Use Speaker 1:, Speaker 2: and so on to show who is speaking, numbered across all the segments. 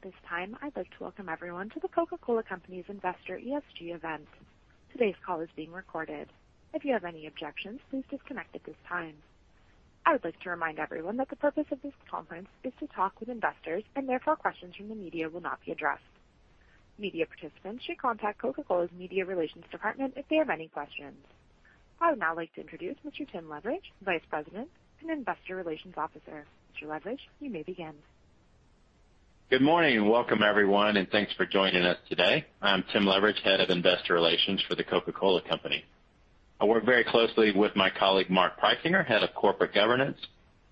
Speaker 1: At this time, I'd like to welcome everyone to The Coca-Cola Company's Investor ESG Event. Today's call is being recorded. If you have any objections, please disconnect at this time. I would like to remind everyone that the purpose of this conference is to talk with investors, and therefore, questions from the media will not be addressed. Media participants should contact Coca-Cola's media relations department if they have any questions. I would now like to introduce Mr. Tim Leveridge, Vice President and Investor Relations Officer. Mr. Leveridge, you may begin.
Speaker 2: Good morning, and welcome everyone, and thanks for joining us today. I'm Tim Leveridge, Head of Investor Relations for The Coca-Cola Company. I work very closely with my colleague, Mark Preisinger, Head of Corporate Governance,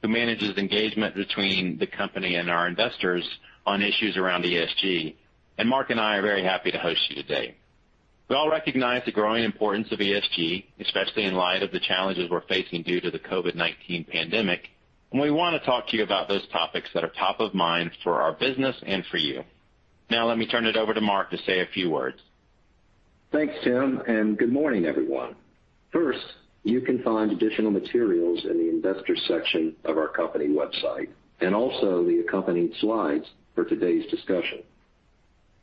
Speaker 2: who manages engagement between the company and our investors on issues around ESG. Mark and I are very happy to host you today. We all recognize the growing importance of ESG, especially in light of the challenges we're facing due to the COVID-19 pandemic, and we want to talk to you about those topics that are top of mind for our business and for you. Now, let me turn it over to Mark to say a few words.
Speaker 3: Thanks, Tim, and good morning, everyone. First, you can find additional materials in the investor section of our company website and also the accompanying slides for today's discussion.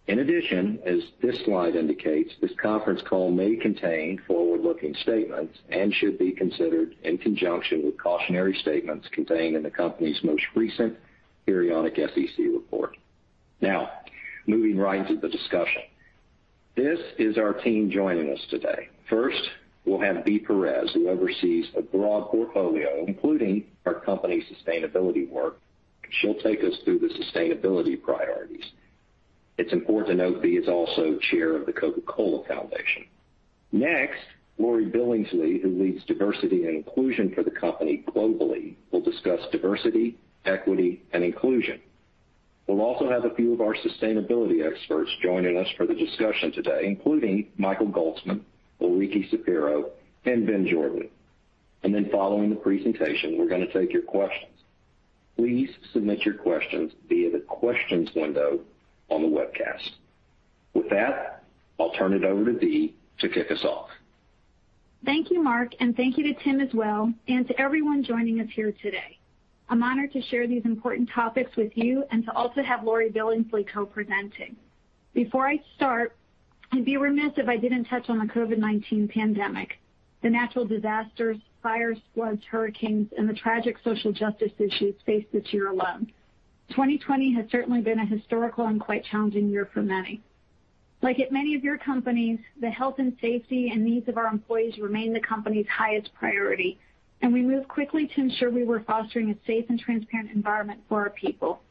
Speaker 3: In addition, as this slide indicates, this conference call may contain forward-looking statements and should be considered in conjunction with cautionary statements contained in the company's most recent periodic SEC report. Now, moving right into the discussion. This is our team joining us today. First, we'll have Bea Perez, who oversees a broad portfolio, including our company's sustainability work. She'll take us through the sustainability priorities. It's important to note Bea is also chair of The Coca-Cola Foundation. Next, Lori Billingsley, who leads diversity and inclusion for the company globally, will discuss diversity, equity, and inclusion. We'll also have a few of our sustainability experts joining us for the discussion today, including Michael Goltzman, Ulrike Sapiro, and Ben Jordan. Following the presentation, we're going to take your questions. Please submit your questions via the questions window on the webcast. With that, I'll turn it over to Bea to kick us off.
Speaker 4: Thank you, Mark, and thank you to Tim as well, and to everyone joining us here today. I'm honored to share these important topics with you and to also have Lori Billingsley co-presenting. Before I start, I'd be remiss if I didn't touch on the COVID-19 pandemic, the natural disasters, fires, floods, hurricanes, and the tragic social justice issues faced this year alone. 2020 has certainly been a historical and quite challenging year for many. Like at many of your companies, the health and safety and needs of our employees remain the company's highest priority, and we moved quickly to ensure we were fostering a safe and transparent environment for our people.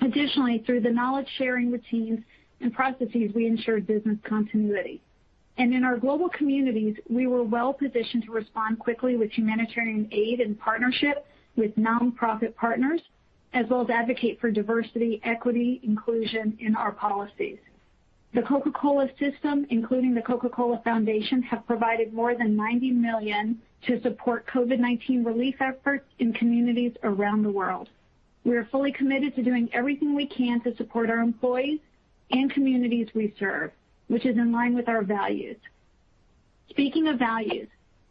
Speaker 4: Additionally, through the knowledge-sharing routines and processes, we ensured business continuity. In our global communities, we were well-positioned to respond quickly with humanitarian aid in partnership with nonprofit partners, as well as advocate for diversity, equity, inclusion in our policies. The Coca-Cola system, including The Coca-Cola Foundation, have provided more than $90 million to support COVID-19 relief efforts in communities around the world. We are fully committed to doing everything we can to support our employees and communities we serve, which is in line with our values. Speaking of values,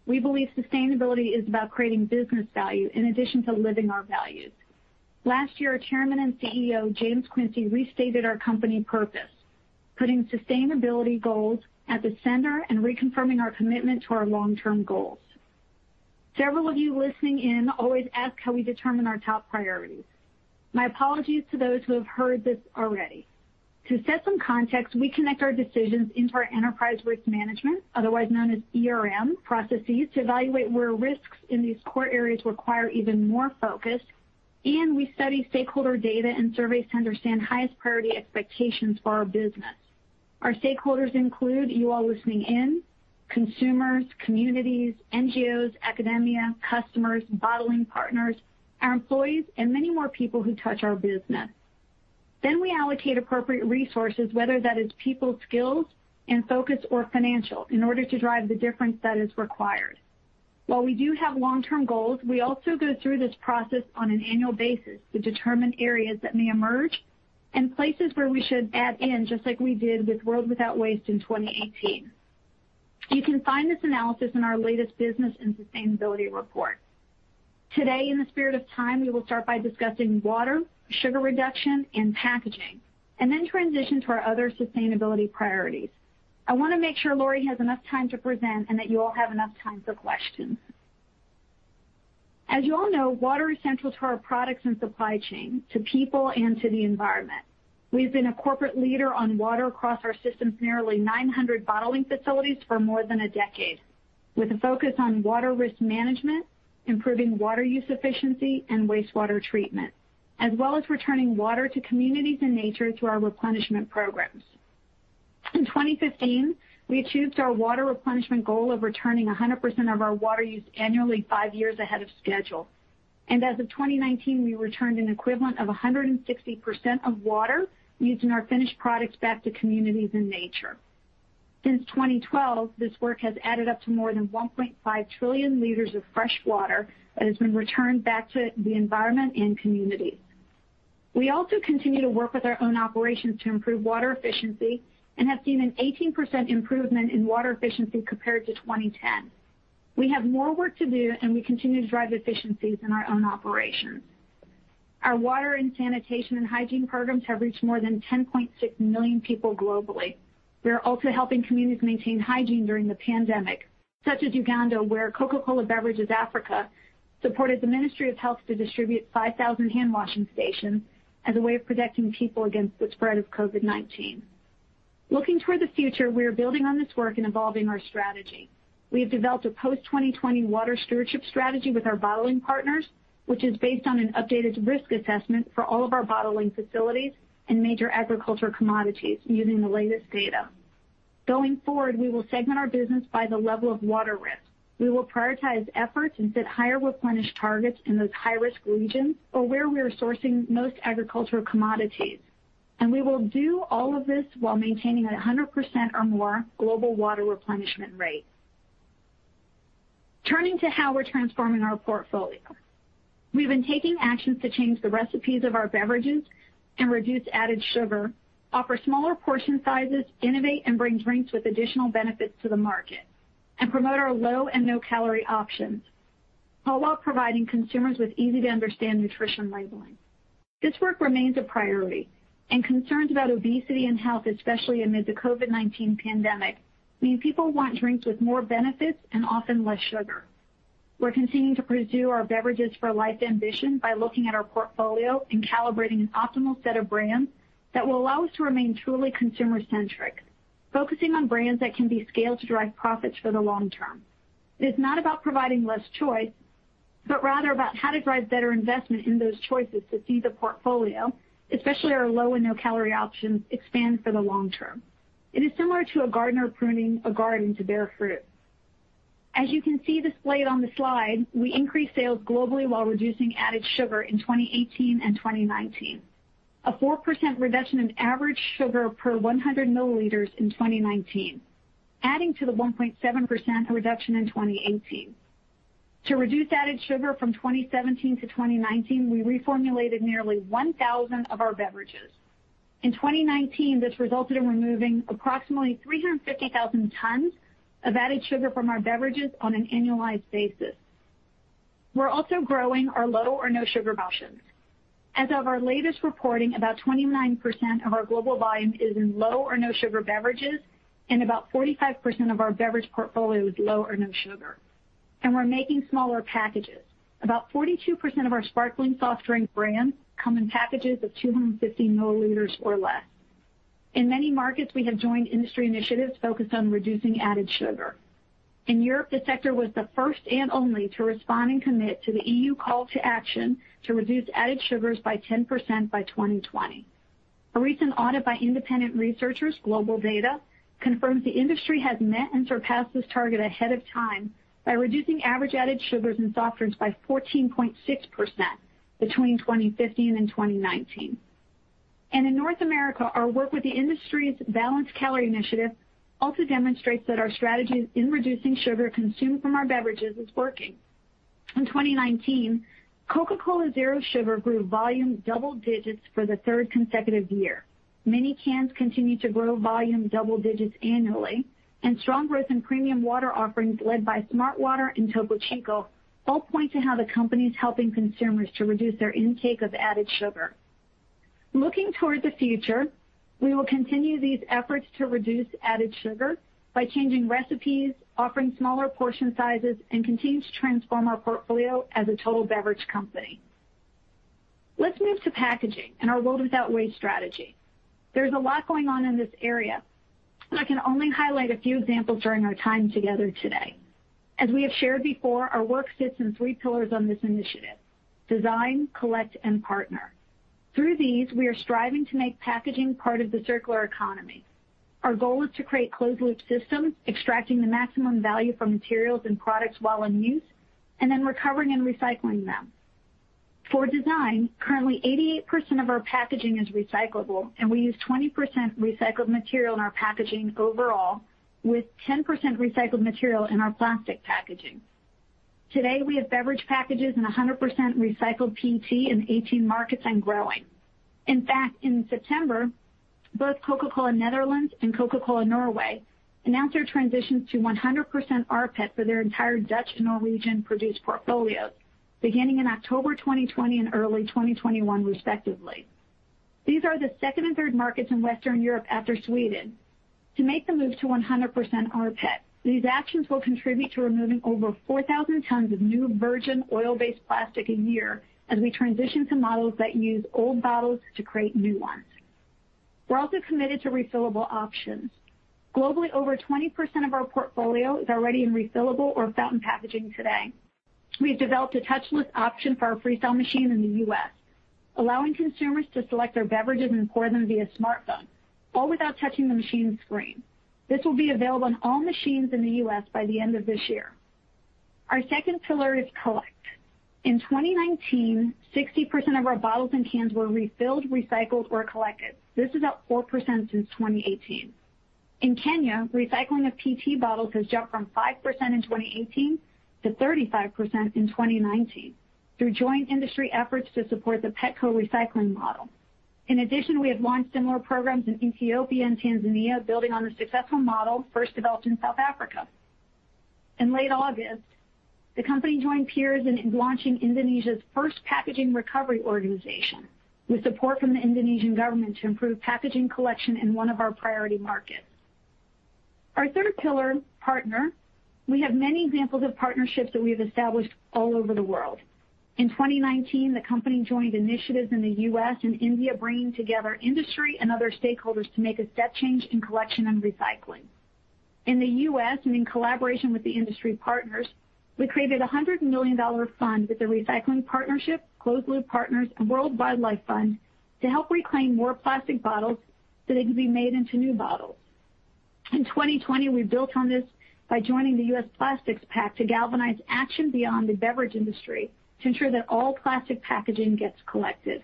Speaker 4: we believe sustainability is about creating business value in addition to living our values. Last year, our Chairman and CEO, James Quincey, restated our company purpose, putting sustainability goals at the center and reconfirming our commitment to our long-term goals. Several of you listening in always ask how we determine our top priorities. My apologies to those who have heard this already. To set some context, we connect our decisions into our enterprise risk management, otherwise known as ERM, processes to evaluate where risks in these core areas require even more focus, and we study stakeholder data and surveys to understand highest priority expectations for our business. Our stakeholders include you all listening in, consumers, communities, NGOs, academia, customers, bottling partners, our employees, and many more people who touch our business. We allocate appropriate resources, whether that is people skills and focus or financial, in order to drive the difference that is required. While we do have long-term goals, we also go through this process on an annual basis to determine areas that may emerge and places where we should add in, just like we did with World Without Waste in 2018. You can find this analysis in our latest Business & Sustainability Report. Today, in the spirit of time, we will start by discussing water, sugar reduction, and packaging, and then transition to our other sustainability priorities. I want to make sure Lori has enough time to present and that you all have enough time for questions. As you all know, water is central to our products and supply chain, to people, and to the environment. We've been a corporate leader on water across our system's nearly 900 bottling facilities for more than a decade, with a focus on water risk management, improving water use efficiency, and wastewater treatment, as well as returning water to communities and nature through our replenishment programs. In 2015, we achieved our water replenishment goal of returning 100% of our water use annually five years ahead of schedule. As of 2019, we returned an equivalent of 160% of water used in our finished products back to communities and nature. Since 2012, this work has added up to more than 1.5 trillion liters of fresh water that has been returned back to the environment and communities. We also continue to work with our own operations to improve water efficiency and have seen an 18% improvement in water efficiency compared to 2010. We have more work to do, and we continue to drive efficiencies in our own operations. Our water and sanitation and hygiene programs have reached more than 10.6 million people globally. We are also helping communities maintain hygiene during the pandemic, such as Uganda, where Coca-Cola Beverages Africa supported the Ministry of Health to distribute 5,000 handwashing stations as a way of protecting people against the spread of COVID-19. Looking toward the future, we are building on this work and evolving our strategy. We have developed a post-2020 water stewardship strategy with our bottling partners, which is based on an updated risk assessment for all of our bottling facilities and major agriculture commodities using the latest data. Going forward, we will segment our business by the level of water risk. We will prioritize efforts and set higher replenish targets in those high-risk regions or where we are sourcing most agricultural commodities. We will do all of this while maintaining a 100% or more global water replenishment rate. Turning to how we're transforming our portfolio. We've been taking actions to change the recipes of our beverages and reduce added sugar, offer smaller portion sizes, innovate and bring drinks with additional benefits to the market, and promote our low and no-calorie options, all while providing consumers with easy-to-understand nutrition labeling. Concerns about obesity and health, especially amid the COVID-19 pandemic, mean people want drinks with more benefits and often less sugar. We're continuing to pursue our Beverages for Life ambition by looking at our portfolio and calibrating an optimal set of brands that will allow us to remain truly consumer-centric, focusing on brands that can be scaled to drive profits for the long-term. Rather about how to drive better investment in those choices to see the portfolio, especially our low and no-calorie options, expand for the long term. It is similar to a gardener pruning a garden to bear fruit. As you can see displayed on the slide, we increased sales globally while reducing added sugar in 2018 and 2019. A 4% reduction in average sugar per 100 ml in 2019, adding to the 1.7% reduction in 2018. To reduce added sugar from 2017-2019, we reformulated nearly 1,000 of our beverages. In 2019, this resulted in removing approximately 350,000 tons of added sugar from our beverages on an annualized basis. We're also growing our low or no sugar options. As of our latest reporting, about 29% of our global volume is in low or no sugar beverages, and about 45% of our beverage portfolio is low or no sugar. We're making smaller packages. About 42% of our sparkling soft drink brands come in packages of 250 ml or less. In many markets, we have joined industry initiatives focused on reducing added sugar. In Europe, the sector was the first and only to respond and commit to the EU call to action to reduce added sugars by 10% by 2020. A recent audit by independent researchers, GlobalData, confirms the industry has met and surpassed this target ahead of time by reducing average added sugars in soft drinks by 14.6% between 2015 and 2019. In North America, our work with the industry's Balanced Calories Initiative also demonstrates that our strategies in reducing sugar consumed from our beverages is working. In 2019, Coca-Cola Zero Sugar grew volume double digits for the third consecutive year. Mini Cans continue to grow volume double digits annually, and strong growth in premium water offerings led by smartwater and Topo Chico all point to how the company's helping consumers to reduce their intake of added sugar. Looking toward the future, we will continue these efforts to reduce added sugar by changing recipes, offering smaller portion sizes, and continuing to transform our portfolio as a total beverage company. Let's move to packaging and our World Without Waste strategy. There's a lot going on in this area, so I can only highlight a few examples during our time together today. As we have shared before, our work sits in three pillars on this initiative, design, collect, and partner. Through these, we are striving to make packaging part of the circular economy. Our goal is to create closed-loop systems, extracting the maximum value from materials and products while in use, and then recovering and recycling them. For design, currently 88% of our packaging is recyclable, and we use 20% recycled material in our packaging overall, with 10% recycled material in our plastic packaging. Today, we have beverage packages in 100% recycled PET in 18 markets and growing. In fact, in September, both Coca-Cola Netherlands and Coca-Cola Norway announced their transitions to 100% rPET for their entire Dutch and Norwegian produced portfolios beginning in October 2020 and early 2021, respectively. These are the second and third markets in Western Europe after Sweden. To make the move to 100% rPET, these actions will contribute to removing over 4,000 tons of new virgin oil-based plastic a year as we transition to models that use old bottles to create new ones. We're also committed to refillable options. Globally, over 20% of our portfolio is already in refillable or fountain packaging today. We've developed a touchless option for our Freestyle machine in the U.S., allowing consumers to select their beverages and pour them via smartphone, all without touching the machine screen. This will be available on all machines in the U.S. by the end of this year. Our second pillar is collect. In 2019, 60% of our bottles and cans were refilled, recycled, or collected. This is up 4% since 2018. In Kenya, recycling of PET bottles has jumped from 5% in 2018 to 35% in 2019 through joint industry efforts to support the PETCO recycling model. In addition, we have launched similar programs in Ethiopia and Tanzania, building on the successful model first developed in South Africa. In late August, the company joined peers in launching Indonesia's first packaging recovery organization, with support from the Indonesian government to improve packaging collection in one of our priority markets. Our third pillar, partner. We have many examples of partnerships that we have established all over the world. In 2019, the company joined initiatives in the U.S. and India, bringing together industry and other stakeholders to make a step change in collection and recycling. In the U.S., and in collaboration with the industry partners, we created $100 million fund with The Recycling Partnership, Closed Loop Partners, and World Wildlife Fund to help reclaim more plastic bottles so they can be made into new bottles. In 2020, we built on this by joining the U.S. Plastics Pact to galvanize action beyond the beverage industry to ensure that all plastic packaging gets collected.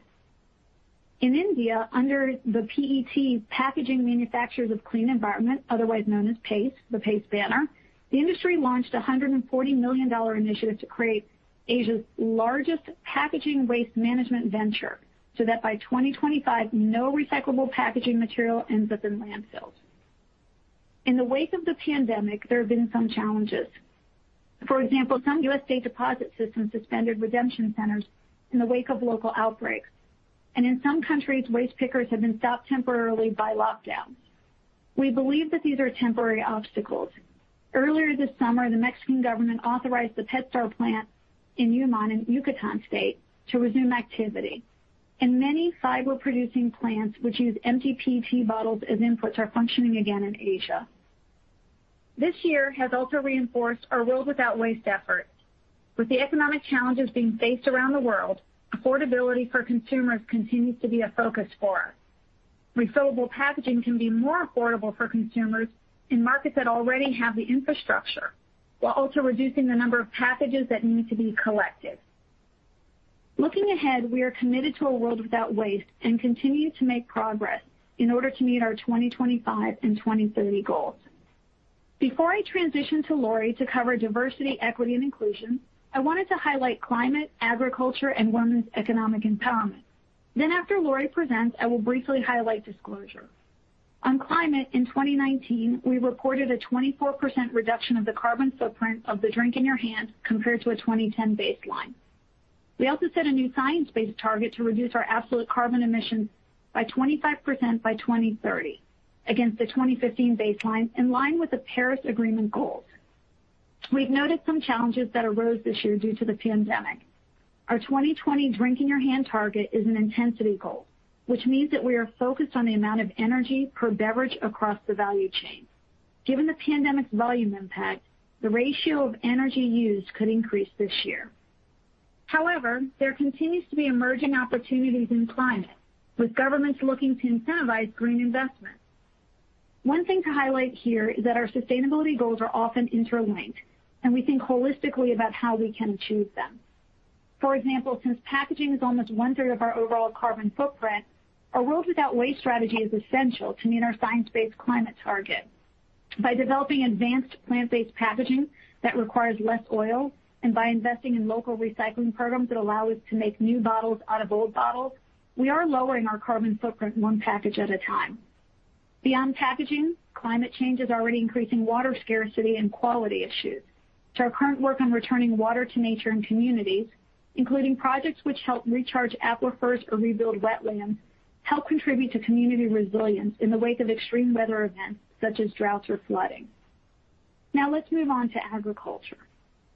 Speaker 4: In India, under the PET Packaging Manufacturers of Clean Environment, otherwise known as PACE, the PACE banner, the industry launched $140 million initiative to create Asia's largest packaging waste management venture, so that by 2025, no recyclable packaging material ends up in landfills. In the wake of the pandemic, there have been some challenges. For example, some U.S. state deposit systems suspended redemption centers in the wake of local outbreaks, and in some countries, waste pickers have been stopped temporarily by lockdowns. We believe that these are temporary obstacles. Earlier this summer, the Mexican government authorized the PetStar plant in Umán, in Yucatán State, to resume activity, and many fiber-producing plants which use empty PET bottles as inputs are functioning again in Asia. This year has also reinforced our World Without Waste efforts. With the economic challenges being faced around the world, affordability for consumers continues to be a focus for us. Refillable packaging can be more affordable for consumers in markets that already have the infrastructure, while also reducing the number of packages that need to be collected. Looking ahead, we are committed to a World Without Waste and continue to make progress in order to meet our 2025 and 2030 goals. Before I transition to Lori to cover diversity, equity, and inclusion, I wanted to highlight climate, agriculture, and women's economic empowerment. After Lori presents, I will briefly highlight disclosure. On climate, in 2019, we reported a 24% reduction of the carbon footprint of the Drink in Your Hand compared to a 2010 baseline. We also set a new science-based target to reduce our absolute carbon emissions by 25% by 2030 against the 2015 baseline, in line with the Paris Agreement goals. We've noted some challenges that arose this year due to the pandemic. Our 2020 Drink in Your Hand target is an intensity goal, which means that we are focused on the amount of energy per beverage across the value chain. Given the pandemic's volume impact, the ratio of energy used could increase this year. However, there continues to be emerging opportunities in climate, with governments looking to incentivize green investment. One thing to highlight here is that our sustainability goals are often interlinked, and we think holistically about how we can achieve them. For example, since packaging is almost 1/3 Of our overall carbon footprint, our World Without Waste strategy is essential to meet our science-based target. By developing advanced plant-based packaging that requires less oil, and by investing in local recycling programs that allow us to make new bottles out of old bottles, we are lowering our carbon footprint one package at a time. Beyond packaging, climate change is already increasing water scarcity and quality issues. Our current work on returning water to nature and communities, including projects which help recharge aquifers or rebuild wetlands, help contribute to community resilience in the wake of extreme weather events such as droughts or flooding. Let's move on to agriculture.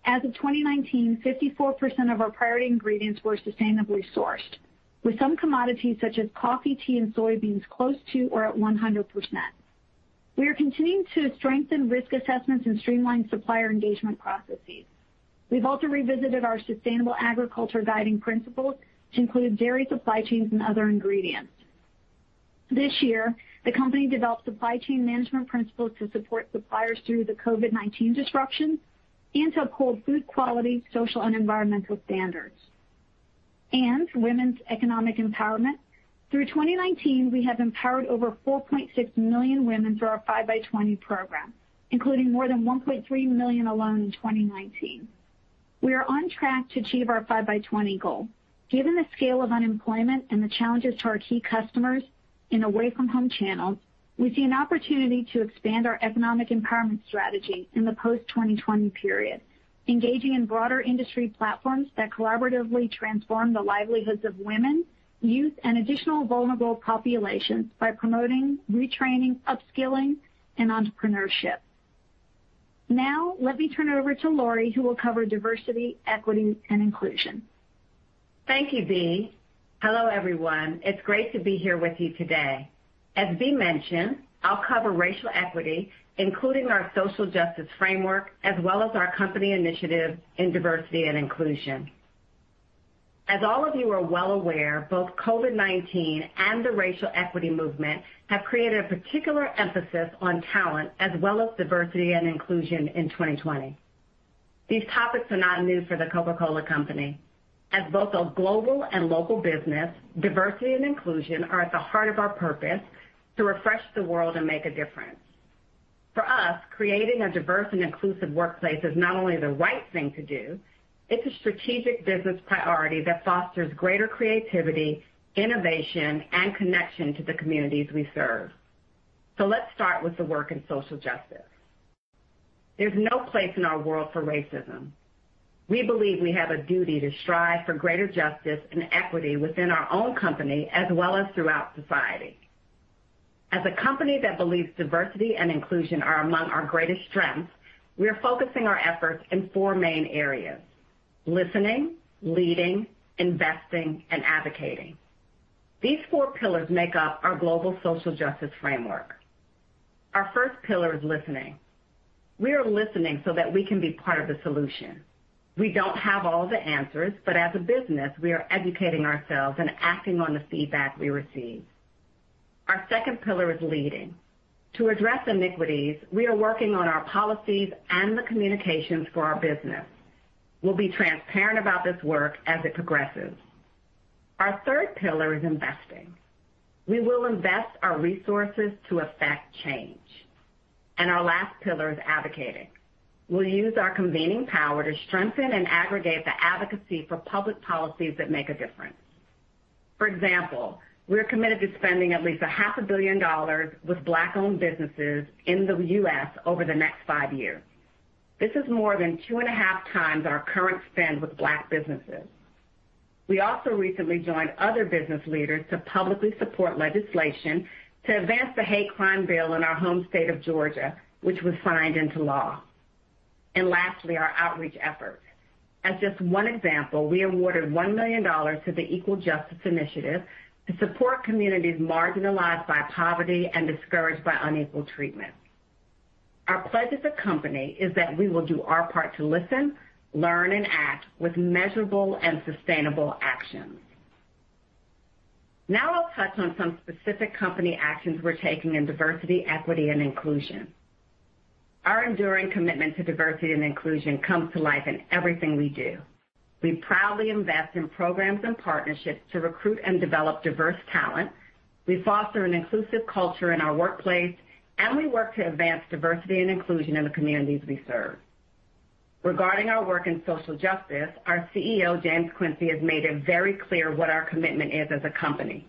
Speaker 4: As of 2019, 54% of our priority ingredients were sustainably sourced, with some commodities such as coffee, tea, and soybeans close to or at 100%. We are continuing to strengthen risk assessments and streamline supplier engagement processes. We've also revisited our sustainable agriculture guiding principles to include dairy supply chains and other ingredients. This year, the company developed supply chain management principles to support suppliers through the COVID-19 disruption and to uphold food quality, social, and environmental standards. Women's economic empowerment. Through 2019, we have empowered over 4.6 million women through our 5by20 program, including more than 1.3 million alone in 2019. We are on track to achieve our 5by20 goal. Given the scale of unemployment and the challenges to our key customers in away-from-home channels, we see an opportunity to expand our economic empowerment strategy in the post-2020 period, engaging in broader industry platforms that collaboratively transform the livelihoods of women, youth, and additional vulnerable populations by promoting retraining, upskilling, and entrepreneurship. Now, let me turn it over to Lori, who will cover diversity, equity, and inclusion.
Speaker 5: Thank you, Bea. Hello, everyone. It's great to be here with you today. As Bea mentioned, I'll cover racial equity, including our social justice framework, as well as our company initiative in diversity and inclusion. As all of you are well aware, both COVID-19 and the racial equity movement have created a particular emphasis on talent as well as diversity and inclusion in 2020. These topics are not new for The Coca-Cola Company. As both a global and local business, diversity and inclusion are at the heart of our purpose to refresh the world and make a difference. For us, creating a diverse and inclusive workplace is not only the right thing to do, it's a strategic business priority that fosters greater creativity, innovation, and connection to the communities we serve. Let's start with the work in social justice. There's no place in our world for racism. We believe we have a duty to strive for greater justice and equity within our own company as well as throughout society. As a company that believes diversity and inclusion are among our greatest strengths, we are focusing our efforts in four main areas: listening, leading, investing, and advocating. These four pillars make up our global social justice framework. Our first pillar is listening. We are listening so that we can be part of the solution. We don't have all the answers, but as a business, we are educating ourselves and acting on the feedback we receive. Our second pillar is leading. To address inequities, we are working on our policies and the communications for our business. We'll be transparent about this work as it progresses. Our third pillar is investing. We will invest our resources to affect change. Our last pillar is advocating. We'll use our convening power to strengthen and aggregate the advocacy for public policies that make a difference. For example, we're committed to spending at least $500 million with Black-owned businesses in the U.S. over the next five years. This is more than 2.5x our current spend with Black businesses. We also recently joined other business leaders to publicly support legislation to advance the Hate Crime bill in our home state of Georgia, which was signed into law. Lastly, our outreach efforts. As just one example, we awarded $1 million to the Equal Justice Initiative to support communities marginalized by poverty and discouraged by unequal treatment. Our pledge as a company is that we will do our part to listen, learn, and act with measurable and sustainable actions. I'll touch on some specific company actions we're taking in diversity, equity, and inclusion. Our enduring commitment to diversity and inclusion comes to life in everything we do. We proudly invest in programs and partnerships to recruit and develop diverse talent. We foster an inclusive culture in our workplace, and we work to advance diversity and inclusion in the communities we serve. Regarding our work in social justice, our CEO, James Quincey, has made it very clear what our commitment is as a company.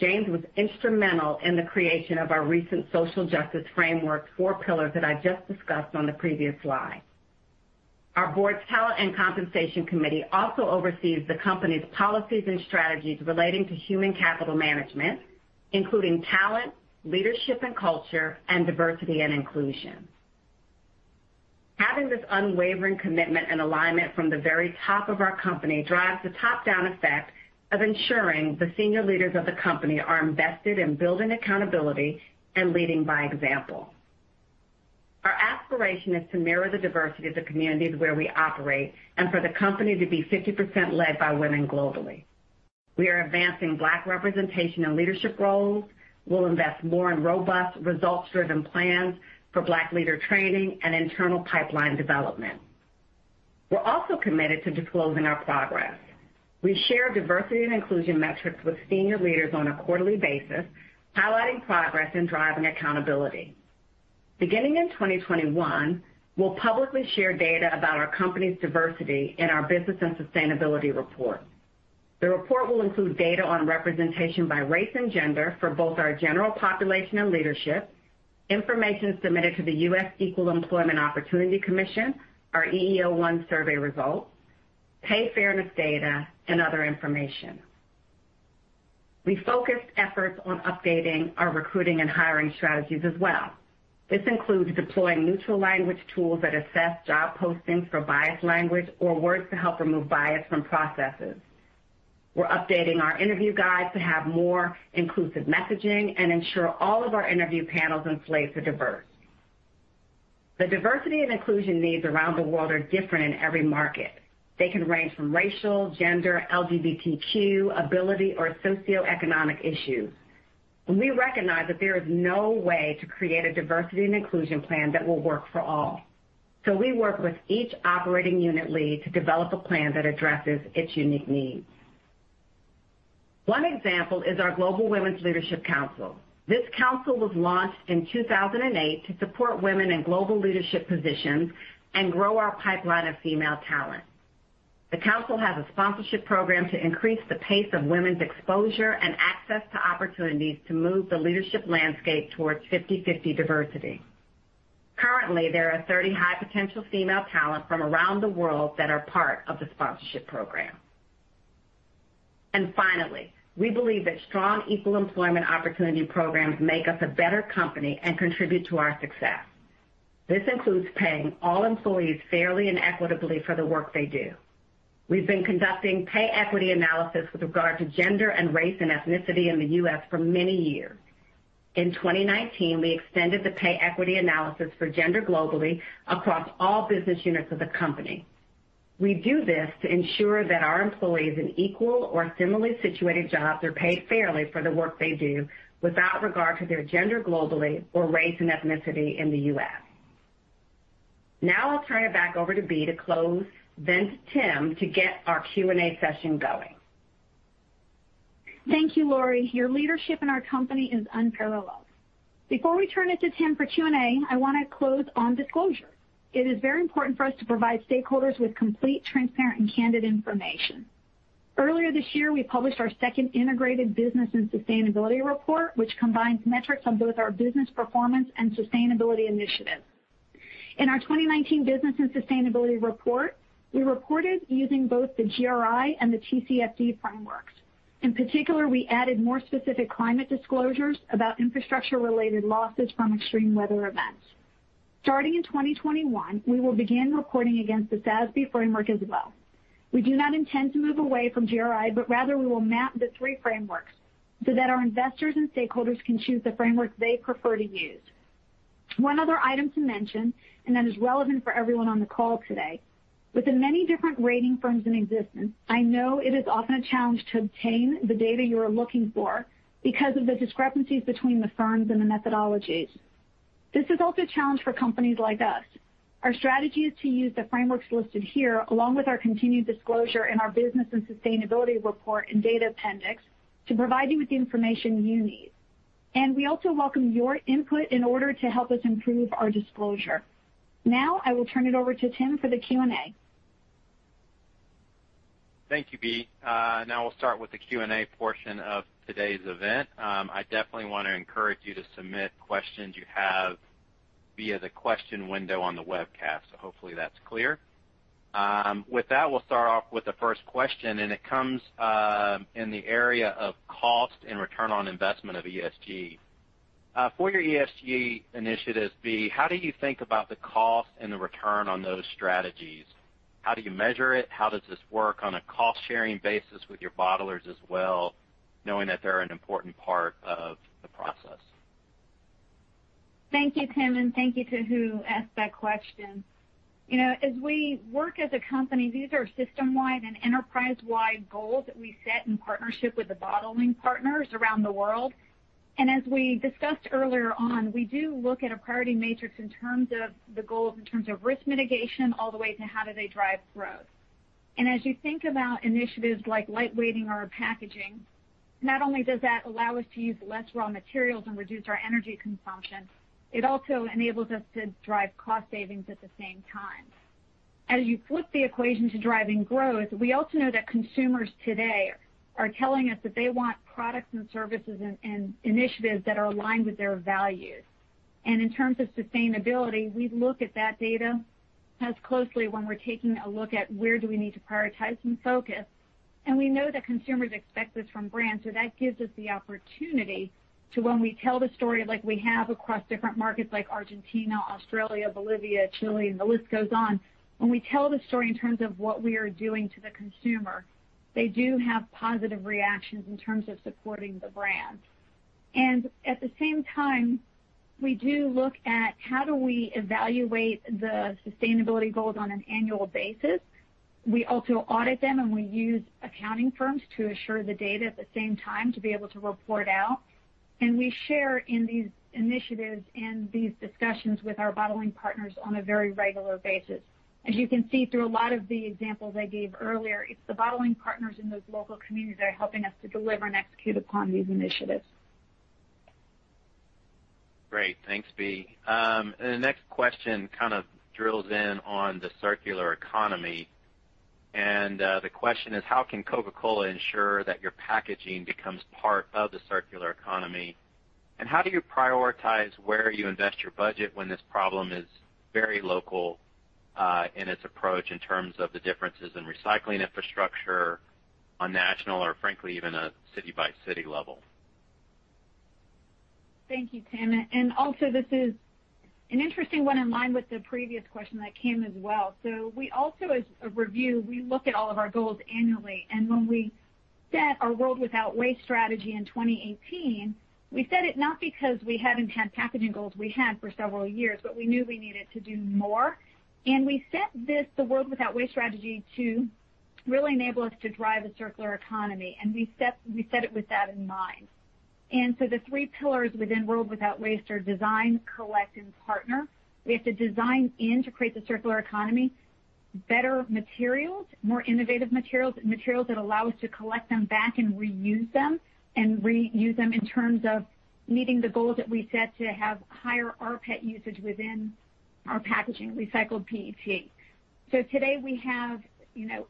Speaker 5: James was instrumental in the creation of our recent social justice framework, four pillars that I just discussed on the previous slide. Our board's Talent and Compensation Committee also oversees the company's policies and strategies relating to human capital management, including talent, leadership, and culture, and diversity and inclusion. Having this unwavering commitment and alignment from the very top of our company drives the top-down effect of ensuring the senior leaders of the company are invested in building accountability and leading by example. Our aspiration is to mirror the diversity of the communities where we operate and for the company to be 50% led by women globally. We are advancing Black representation in leadership roles. We'll invest more in robust results-driven plans for Black leader training and internal pipeline development. We're also committed to disclosing our progress. We share diversity and inclusion metrics with senior leaders on a quarterly basis, highlighting progress and driving accountability. Beginning in 2021, we'll publicly share data about our company's diversity in our Business & Sustainability Report. The report will include data on representation by race and gender for both our general population and leadership, information submitted to the U.S. Equal Employment Opportunity Commission, our EEO-1 survey results, pay fairness data, and other information. We focused efforts on updating our recruiting and hiring strategies as well. This includes deploying neutral language tools that assess job postings for biased language or words to help remove bias from processes. We're updating our interview guide to have more inclusive messaging and ensure all of our interview panels in place are diverse. The diversity and inclusion needs around the world are different in every market. They can range from racial, gender, LGBTQ, ability, or socioeconomic issues. We recognize that there is no way to create a diversity and inclusion plan that will work for all. We work with each operating unit lead to develop a plan that addresses its unique needs. One example is our Global Women's Leadership Council. This council was launched in 2008 to support women in global leadership positions and grow our pipeline of female talent. The council has a sponsorship program to increase the pace of women's exposure and access to opportunities to move the leadership landscape towards 50/50 diversity. Currently, there are 30 high-potential female talent from around the world that are part of the sponsorship program. Finally, we believe that strong Equal Employment Opportunity programs make us a better company and contribute to our success. This includes paying all employees fairly and equitably for the work they do. We've been conducting pay equity analysis with regard to gender and race and ethnicity in the U.S. for many years. In 2019, we extended the pay equity analysis for gender globally across all business units of The Coca-Cola Company. We do this to ensure that our employees in equal or similarly situated jobs are paid fairly for the work they do without regard to their gender globally or race and ethnicity in the U.S. Now I'll turn it back over to Bea to close, then to Tim to get our Q&A session going.
Speaker 4: Thank you, Lori. Your leadership in our company is unparalleled. Before we turn it to Tim for Q&A, I want to close on disclosure. It is very important for us to provide stakeholders with complete, transparent, and candid information. Earlier this year, we published our second integrated Business & Sustainability Report, which combines metrics on both our business performance and sustainability initiatives. In our 2019 Business & Sustainability Report, we reported using both the GRI and the TCFD frameworks. In particular, we added more specific climate disclosures about infrastructure-related losses from extreme weather events. Starting in 2021, we will begin reporting against the SASB framework as well. We do not intend to move away from GRI, but rather we will map the three frameworks so that our investors and stakeholders can choose the framework they prefer to use. One other item to mention, that is relevant for everyone on the call today. With the many different rating firms in existence, I know it is often a challenge to obtain the data you are looking for because of the discrepancies between the firms and the methodologies. This is also a challenge for companies like us. Our strategy is to use the frameworks listed here, along with our continued disclosure in our Business & Sustainability Report and data appendix, to provide you with the information you need. We also welcome your input in order to help us improve our disclosure. Now, I will turn it over to Tim for the Q&A.
Speaker 2: Thank you, Bea. Now we'll start with the Q&A portion of today's event. I definitely want to encourage you to submit questions you have via the question window on the webcast. Hopefully that's clear. With that, we'll start off with the first question, and it comes in the area of cost and return on investment of ESG. For your ESG initiatives, Bea, how do you think about the cost and the return on those strategies? How do you measure it? How does this work on a cost-sharing basis with your bottlers as well, knowing that they're an important part of the process?
Speaker 4: Thank you, Tim, and thank you to who asked that question. As we work as a company, these are system-wide and enterprise-wide goals that we set in partnership with the bottling partners around the world. As we discussed earlier on, we do look at a priority matrix in terms of the goals, in terms of risk mitigation, all the way to how do they drive growth. As you think about initiatives like lightweighting our packaging, not only does that allow us to use less raw materials and reduce our energy consumption, it also enables us to drive cost savings at the same time. As you flip the equation to driving growth, we also know that consumers today are telling us that they want products and services and initiatives that are aligned with their values. In terms of sustainability, we look at that data as closely when we're taking a look at where do we need to prioritize and focus. We know that consumers expect this from brands, so that gives us the opportunity to, when we tell the story like we have across different markets like Argentina, Australia, Bolivia, Chile, and the list goes on. When we tell the story in terms of what we are doing to the consumer, they do have positive reactions in terms of supporting the brand. At the same time, we do look at how do we evaluate the sustainability goals on an annual basis. We also audit them, and we use accounting firms to assure the data at the same time to be able to report out. We share in these initiatives and these discussions with our bottling partners on a very regular basis. As you can see through a lot of the examples I gave earlier, it's the bottling partners in those local communities that are helping us to deliver and execute upon these initiatives.
Speaker 2: Great. Thanks, Bea. The next question kind of drills in on the circular economy. The question is, how can Coca-Cola ensure that your packaging becomes part of the circular economy? How do you prioritize where you invest your budget when this problem is very local, in its approach in terms of the differences in recycling infrastructure on national or frankly, even a city-by-city level?
Speaker 4: Thank you, Tim. Also, this is an interesting one in line with the previous question that came as well. We also, as a review, we look at all of our goals annually. When we set our World Without Waste strategy in 2018, we set it not because we haven't had packaging goals, we had for several years, but we knew we needed to do more. We set the World Without Waste strategy to really enable us to drive a circular economy. We set it with that in mind. The three pillars within World Without Waste are design, collect, and partner. We have to design in to create the circular economy, better materials, more innovative materials, and materials that allow us to collect them back and reuse them, and reuse them in terms of meeting the goals that we set to have higher rPET usage within our packaging, recycled PET. Today we have 100%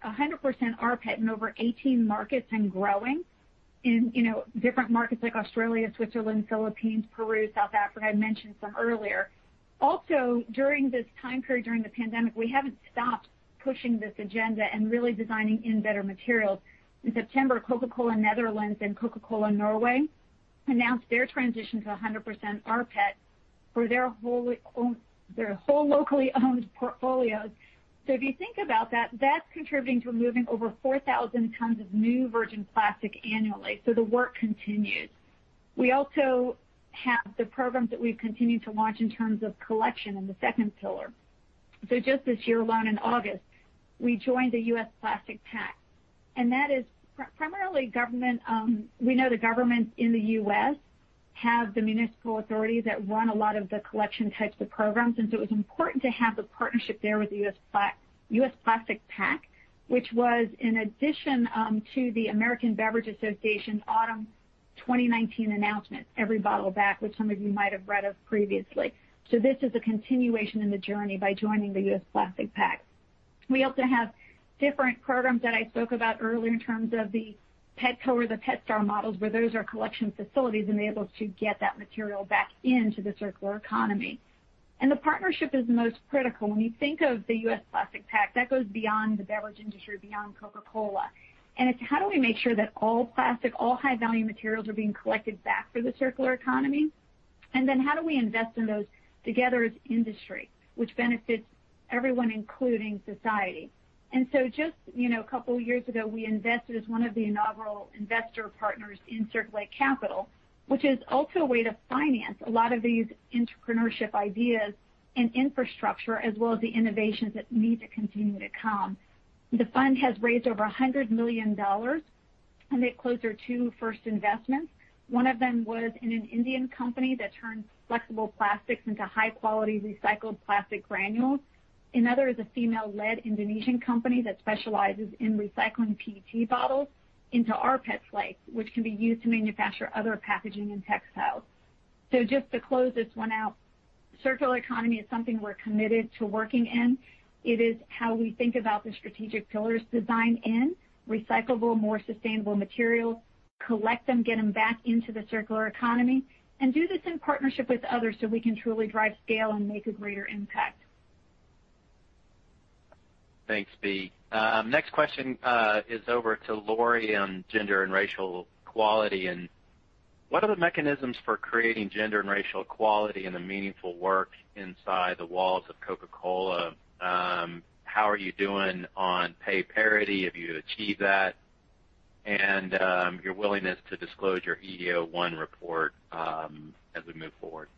Speaker 4: rPET in over 18 markets and growing in different markets like Australia, Switzerland, Philippines, Peru, South Africa. I mentioned some earlier. During this time period, during the pandemic, we haven't stopped pushing this agenda and really designing in better materials. In September, Coca-Cola Netherlands and Coca-Cola Norway announced their transition to 100% rPET for their whole locally owned portfolios. If you think about that's contributing to removing over 4,000 tons of new virgin plastic annually. The work continues. We also have the programs that we've continued to launch in terms of collection in the second pillar. Just this year alone in August, we joined the U.S. Plastics Pact, and that is primarily government. We know the government in the U.S. have the municipal authorities that run a lot of the collection types of programs. It was important to have the partnership there with the U.S. Plastics Pact, which was in addition to the American Beverage Association's autumn 2019 announcement, Every Bottle Back, which some of you might have read of previously. We also have different programs that I spoke about earlier in terms of the PETCO or the PetStar models, where those are collection facilities, and they're able to get that material back into the circular economy. The partnership is most critical. When you think of the U.S. Plastics Pact, that goes beyond the beverage industry, beyond Coca-Cola, and it's how do we make sure that all plastic, all high-value materials are being collected back for the circular economy? How do we invest in those together as industry, which benefits everyone, including society. Just a couple of years ago, we invested as one of the inaugural investor partners in Circulate Capital, which is also a way to finance a lot of these entrepreneurship ideas and infrastructure, as well as the innovations that need to continue to come. The fund has raised over $100 million, and they closed their two first investments. One of them was in an Indian company that turns flexible plastics into high-quality recycled plastic granules. Another is a female-led Indonesian company that specializes in recycling PET bottles into rPET flakes, which can be used to manufacture other packaging and textiles. Just to close this one out, circular economy is something we're committed to working in. It is how we think about the strategic pillars designed in recyclable, more sustainable materials, collect them, get them back into the circular economy, and do this in partnership with others so we can truly drive scale and make a greater impact.
Speaker 2: Thanks, Bea. Next question is over to Lori on gender and racial equality. What are the mechanisms for creating gender and racial equality and the meaningful work inside the walls of Coca-Cola? How are you doing on pay parity? Have you achieved that? Your willingness to disclose your EEO-1 Report as we move forward.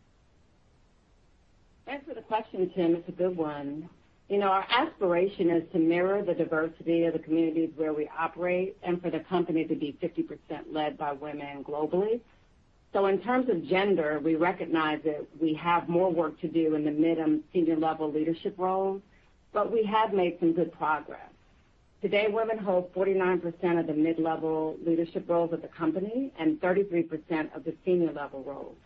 Speaker 5: Thanks for the question, Tim. It's a good one. Our aspiration is to mirror the diversity of the communities where we operate and for the company to be 50% led by women globally. In terms of gender, we recognize that we have more work to do in the mid- and senior-level leadership roles, we have made some good progress. Today, women hold 49% of the mid-level leadership roles at the company and 33% of the senior-level roles.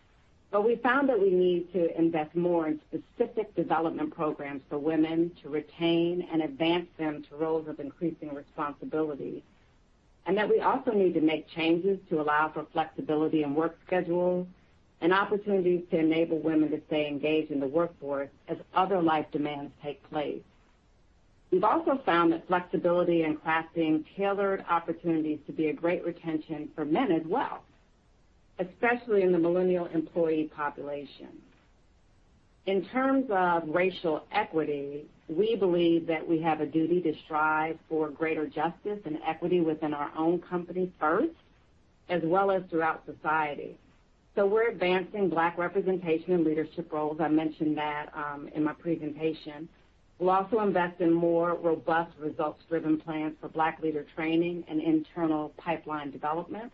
Speaker 5: We found that we need to invest more in specific development programs for women to retain and advance them to roles of increasing responsibility, and that we also need to make changes to allow for flexibility in work schedules and opportunities to enable women to stay engaged in the workforce as other life demands take place. We've also found that flexibility and crafting tailored opportunities to be a great retention for men as well, especially in the millennial employee population. In terms of racial equity, we believe that we have a duty to strive for greater justice and equity within our own company first, as well as throughout society. We're advancing Black representation in leadership roles. I mentioned that in my presentation. We'll also invest in more robust results-driven plans for Black leader training and internal pipeline development.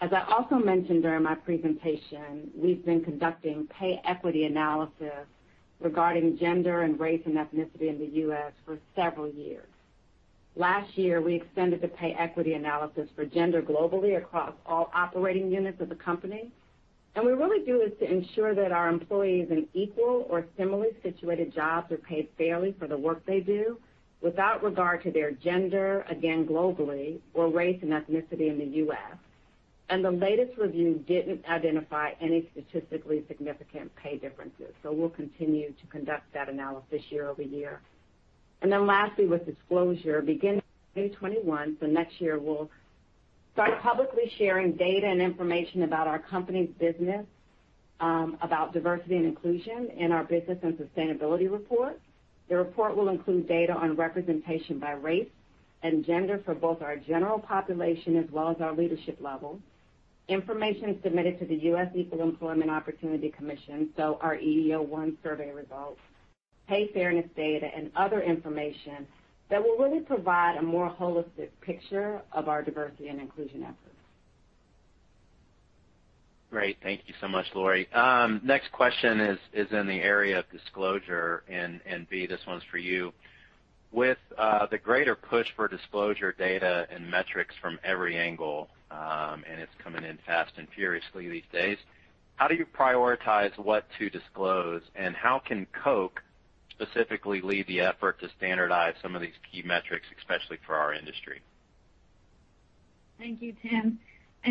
Speaker 5: As I also mentioned during my presentation, we've been conducting pay equity analysis regarding gender and race and ethnicity in the U.S. for several years. Last year, we extended the pay equity analysis for gender globally across all operating units of the company. We really do this to ensure that our employees in equal or similarly situated jobs are paid fairly for the work they do without regard to their gender, again, globally, or race and ethnicity in the U.S. The latest review didn't identify any statistically significant pay differences. We'll continue to conduct that analysis year-over-year. Lastly, with disclosure, beginning in 2021, so next year, we'll start publicly sharing data and information about our company's business, about diversity and inclusion in our Business & Sustainability Report. The report will include data on representation by race and gender for both our general population as well as our leadership level. Information submitted to the U.S. Equal Employment Opportunity Commission, so our EEO-1 survey results, pay fairness data, and other information that will really provide a more holistic picture of our diversity and inclusion efforts.
Speaker 2: Great. Thank you so much, Lori. Next question is in the area of disclosure, Bea, this one's for you. With the greater push for disclosure data and metrics from every angle, and it's coming in fast and furiously these days, how do you prioritize what to disclose, and how can Coke specifically lead the effort to standardize some of these key metrics, especially for our industry?
Speaker 4: Thank you, Tim.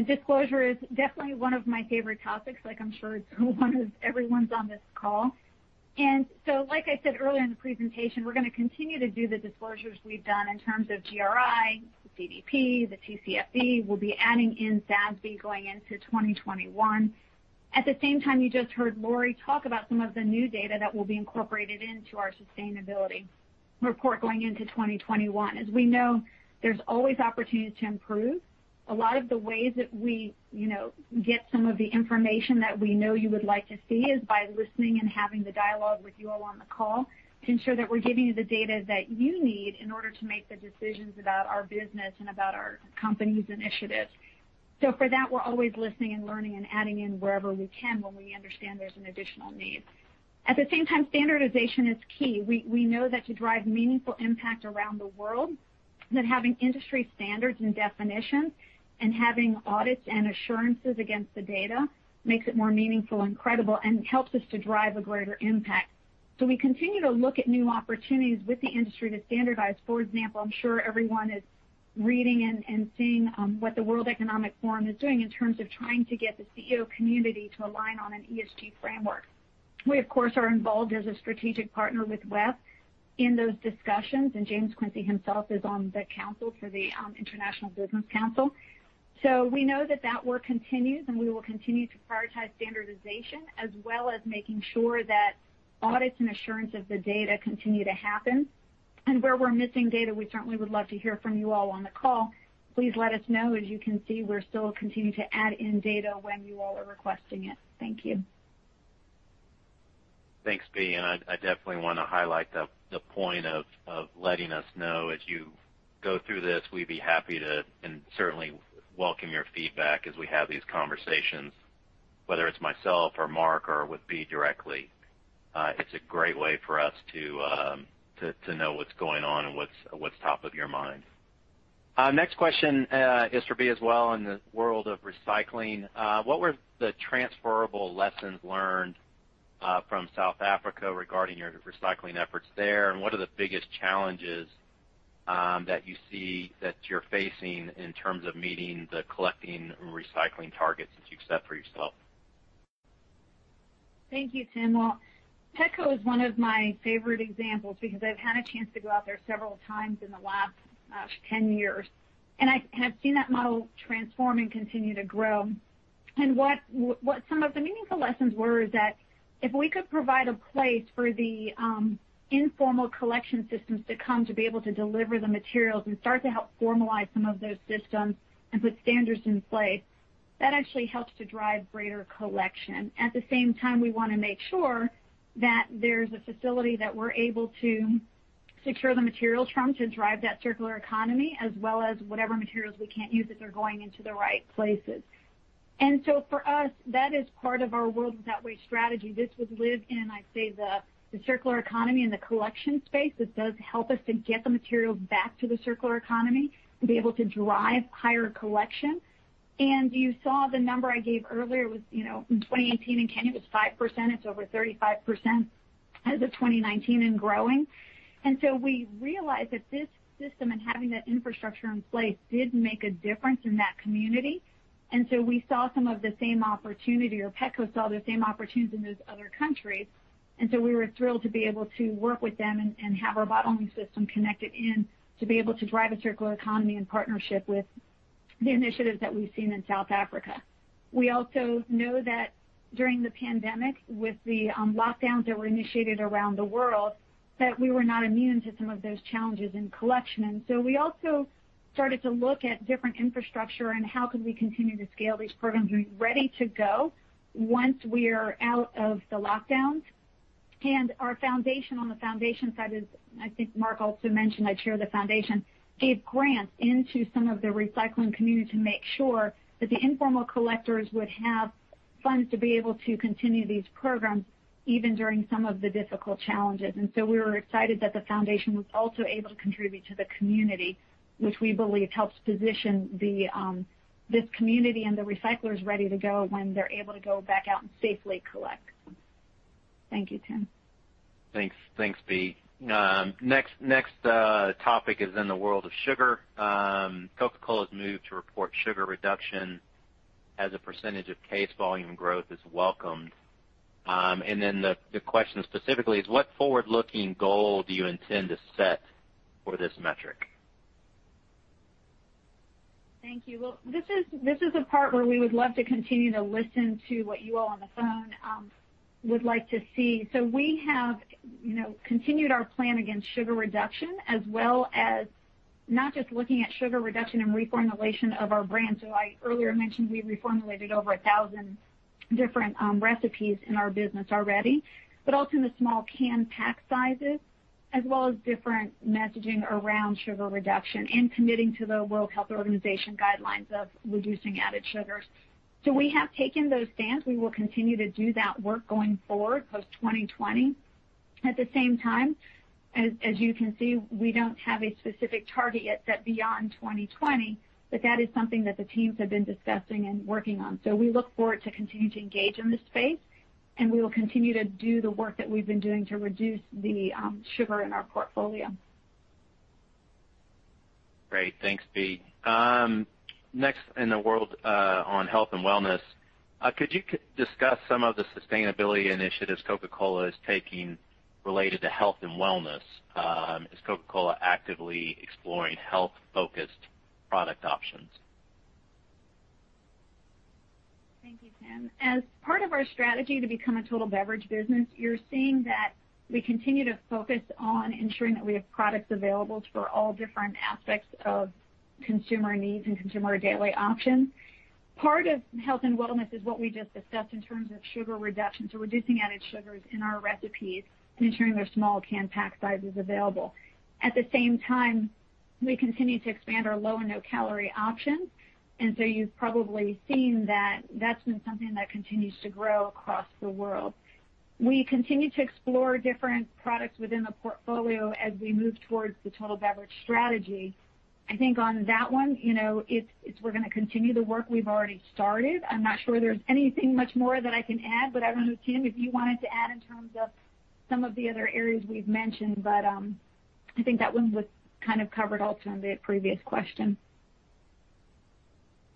Speaker 4: Disclosure is definitely one of my favorite topics, like I'm sure it's one of everyone's on this call. Like I said earlier in the presentation, we're going to continue to do the disclosures we've done in terms of GRI, the CDP, the TCFD. We'll be adding in SASB going into 2021. At the same time, you just heard Lori talk about some of the new data that will be incorporated into our sustainability report going into 2021. As we know, there's always opportunity to improve. A lot of the ways that we get some of the information that we know you would like to see is by listening and having the dialogue with you all on the call to ensure that we're giving you the data that you need in order to make the decisions about our business and about our company's initiatives. For that, we're always listening and learning and adding in wherever we can when we understand there's an additional need. At the same time, standardization is key. We know that to drive meaningful impact around the world, that having industry standards and definitions, and having audits and assurances against the data makes it more meaningful and credible and helps us to drive a greater impact. We continue to look at new opportunities with the industry to standardize. For example, I'm sure everyone is reading and seeing what the World Economic Forum is doing in terms of trying to get the CEO community to align on an ESG framework. We, of course, are involved as a strategic partner with WEF in those discussions. James Quincey himself is on the council for the International Business Council. We know that work continues. We will continue to prioritize standardization as well as making sure that audits and assurance of the data continue to happen. Where we're missing data, we certainly would love to hear from you all on the call. Please let us know. As you can see, we're still continuing to add in data when you all are requesting it. Thank you.
Speaker 2: Thanks, Bea. I definitely want to highlight the point of letting us know as you go through this, we'd be happy to, and certainly welcome your feedback as we have these conversations, whether it's myself or Mark or with Bea directly. It's a great way for us to know what's going on and what's top of your mind. Next question is for Bea as well in the world of recycling. What were the transferrable lessons learned from South Africa regarding your recycling efforts there, and what are the biggest challenges that you see that you're facing in terms of meeting the collecting and recycling targets that you've set for yourself?
Speaker 4: Thank you, Tim. Well, PETCO is one of my favorite examples because I've had a chance to go out there several times in the last 10 years. I have seen that model transform and continue to grow. What some of the meaningful lessons were is that if we could provide a place for the informal collection systems to come to be able to deliver the materials and start to help formalize some of those systems and put standards in place, that actually helps to drive greater collection. At the same time, we want to make sure that there's a facility that we're able to secure the materials from to drive that circular economy, as well as whatever materials we can't use, that they're going into the right places. For us, that is part of our World Without Waste strategy. This would live in, I'd say, the circular economy and the collection space. It does help us to get the materials back to the circular economy to be able to drive higher collection. You saw the number I gave earlier was, in 2018, in Kenya, it was 5%. It's over 35% as of 2019 and growing. We realized that this system and having that infrastructure in place did make a difference in that community. We saw some of the same opportunity, or PETCO saw the same opportunities in those other countries. We were thrilled to be able to work with them and have our bottle system connected in to be able to drive a circular economy in partnership with the initiatives that we've seen in South Africa. We also know that during the pandemic, with the lockdowns that were initiated around the world, that we were not immune to some of those challenges in collection. We also started to look at different infrastructure and how could we continue to scale these programs and be ready to go once we're out of the lockdowns. Our Foundation on the Foundation side is, I think Mark also mentioned, I chair the Foundation, gave grants into some of the recycling community to make sure that the informal collectors would have funds to be able to continue these programs, even during some of the difficult challenges. We were excited that the Foundation was also able to contribute to the community, which we believe helps position this community and the recyclers ready to go when they're able to go back out and safely collect. Thank you, Tim.
Speaker 2: Thanks, Bea. Next topic is in the world of sugar. Coca-Cola's move to report sugar reduction as a percentage of case volume growth is welcomed. The question specifically is, what forward-looking goal do you intend to set for this metric?
Speaker 4: Thank you. Well, this is a part where we would love to continue to listen to what you all on the phone would like to see. We have continued our plan against sugar reduction, as well as not just looking at sugar reduction and reformulation of our brands. I earlier mentioned we reformulated over 1,000 different recipes in our business already, but also in the small can pack sizes, as well as different messaging around sugar reduction and committing to the World Health Organization guidelines of reducing added sugars. We have taken those stands. We will continue to do that work going forward post-2020. At the same time, as you can see, we don't have a specific target yet set beyond 2020, but that is something that the teams have been discussing and working on. We look forward to continuing to engage in this space, and we will continue to do the work that we've been doing to reduce the sugar in our portfolio.
Speaker 2: Great. Thanks, Bea. Next in the world on health and wellness. Could you discuss some of the sustainability initiatives Coca-Cola is taking related to health and wellness? Is Coca-Cola actively exploring health-focused product options?
Speaker 4: Thank you, Tim. As part of our strategy to become a total beverage business, you're seeing that we continue to focus on ensuring that we have products available for all different aspects of consumer needs and consumer daily options. Part of health and wellness is what we just discussed in terms of sugar reduction, so reducing added sugars in our recipes and ensuring there's small can pack sizes available. At the same time We continue to expand our low and no-calorie options. You've probably seen that's been something that continues to grow across the world. We continue to explore different products within the portfolio as we move towards the total beverage strategy. I think on that one, we're going to continue the work we've already started. I'm not sure there's anything much more that I can add, but I don't know, Tim, if you wanted to add in terms of some of the other areas we've mentioned. I think that one was kind of covered also in the previous question.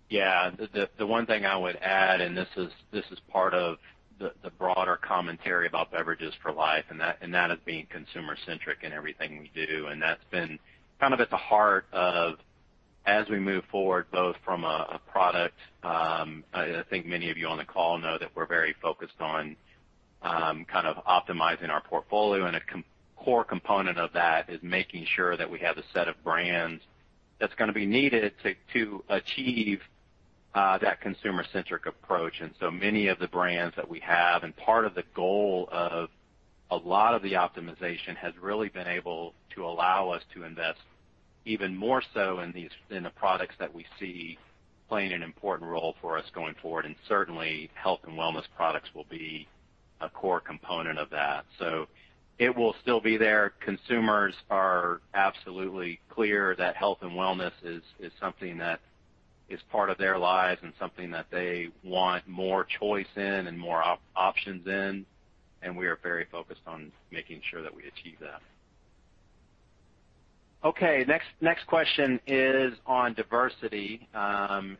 Speaker 2: Yeah. The one thing I would add, and this is part of the broader commentary about Beverages for Life, and that is being consumer-centric in everything we do. That's been kind of at the heart of, as we move forward, both from a product, I think many of you on the call know that we're very focused on kind of optimizing our portfolio. A core component of that is making sure that we have a set of brands that's going to be needed to achieve that consumer-centric approach. Many of the brands that we have, and part of the goal of a lot of the optimization has really been able to allow us to invest even more so in the products that we see playing an important role for us going forward. Certainly, health and wellness products will be a core component of that. It will still be there. Consumers are absolutely clear that health and wellness is something that is part of their lives and something that they want more choice in and more options in. We are very focused on making sure that we achieve that. Okay. Next question is on diversity. I'm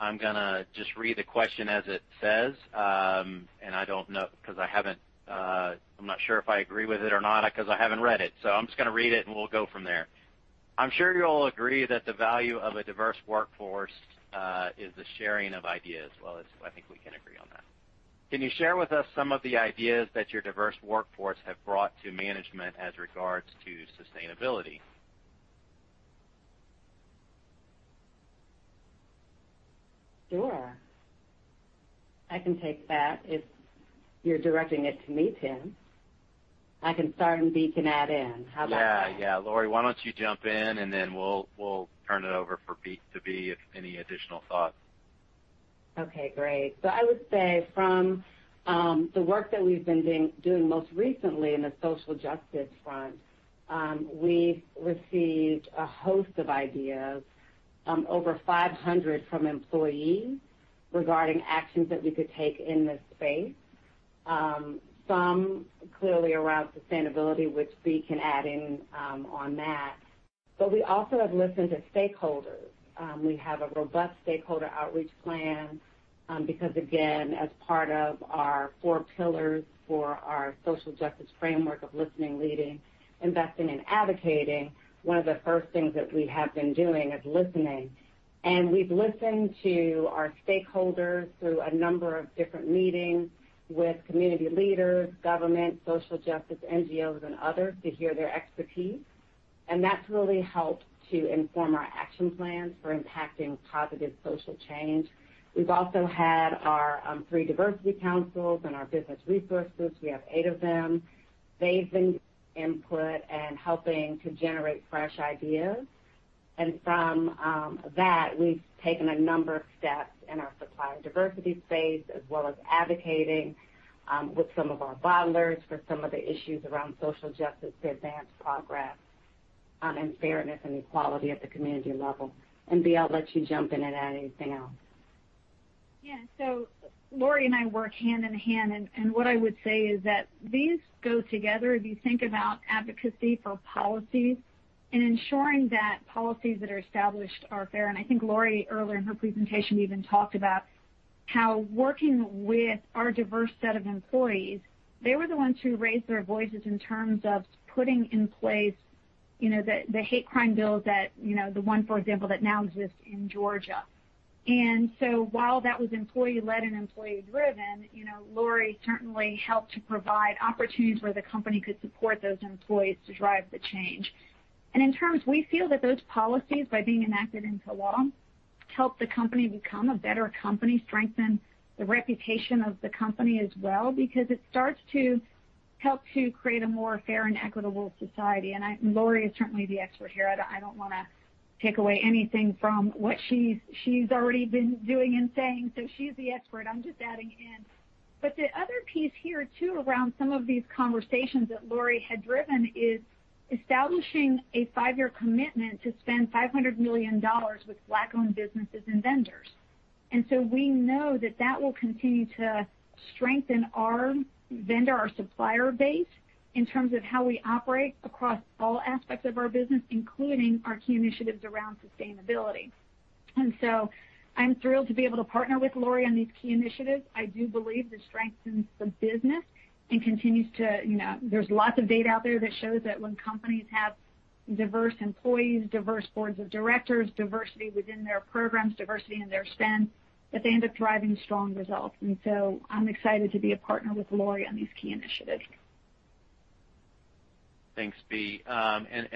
Speaker 2: going to just read the question as it says, and I don't know, because I'm not sure if I agree with it or not, because I haven't read it. I'm just going to read it, and we'll go from there. I'm sure you all agree that the value of a diverse workforce is the sharing of ideas. Well, I think we can agree on that. Can you share with us some of the ideas that your diverse workforce have brought to management as regards to sustainability?
Speaker 5: Sure. I can take that if you're directing it to me, Tim. I can start, and Bea can add in. How about that?
Speaker 2: Yeah. Lori, why don't you jump in, and then we'll turn it over to Bea if any additional thoughts.
Speaker 5: Okay, great. I would say from the work that we've been doing most recently in the social justice front, we've received a host of ideas, over 500 from employees regarding actions that we could take in this space. Some clearly around sustainability, which Bea can add in on that. We also have listened to stakeholders. We have a robust stakeholder outreach plan, because again, as part of our four pillars for our social justice framework of listening, leading, investing, and advocating, one of the first things that we have been doing is listening. We've listened to our stakeholders through a number of different meetings with community leaders, government, social justice, NGOs, and others to hear their expertise. That's really helped to inform our action plans for impacting positive social change. We've also had our three diversity councils and our business resources. We have eight of them. They've been input and helping to generate fresh ideas. From that, we've taken a number of steps in our supplier diversity space, as well as advocating, with some of our bottlers for some of the issues around social justice to advance progress, fairness and equality at the community level. Bea, I'll let you jump in and add anything else.
Speaker 4: Yeah. Lori and I work hand in hand, what I would say is that these go together. If you think about advocacy for policies and ensuring that policies that are established are fair. I think Lori, earlier in her presentation, even talked about how working with our diverse set of employees, they were the ones who raised their voices in terms of putting in place the hate crime bills, the one, for example, that now exists in Georgia. While that was employee-led and employee-driven, Lori certainly helped to provide opportunities where the company could support those employees to drive the change. In terms, we feel that those policies, by being enacted into law, help the company become a better company, strengthen the reputation of the company as well, because it starts to help to create a more fair and equitable society. Lori is certainly the expert here. I don't want to take away anything from what she's already been doing and saying. She's the expert. I'm just adding in. The other piece here, too, around some of these conversations that Lori had driven is establishing a five-year commitment to spend $500 million with Black-owned businesses and vendors. We know that that will continue to strengthen our vendor, our supplier base in terms of how we operate across all aspects of our business, including our key initiatives around sustainability. I'm thrilled to be able to partner with Lori on these key initiatives. I do believe this strengthens the business and continues. There's lots of data out there that shows that when companies have diverse employees, diverse boards of directors, diversity within their programs, diversity in their spend, that they end up driving strong results. I'm excited to be a partner with Lori on these key initiatives.
Speaker 2: Thanks, Bea.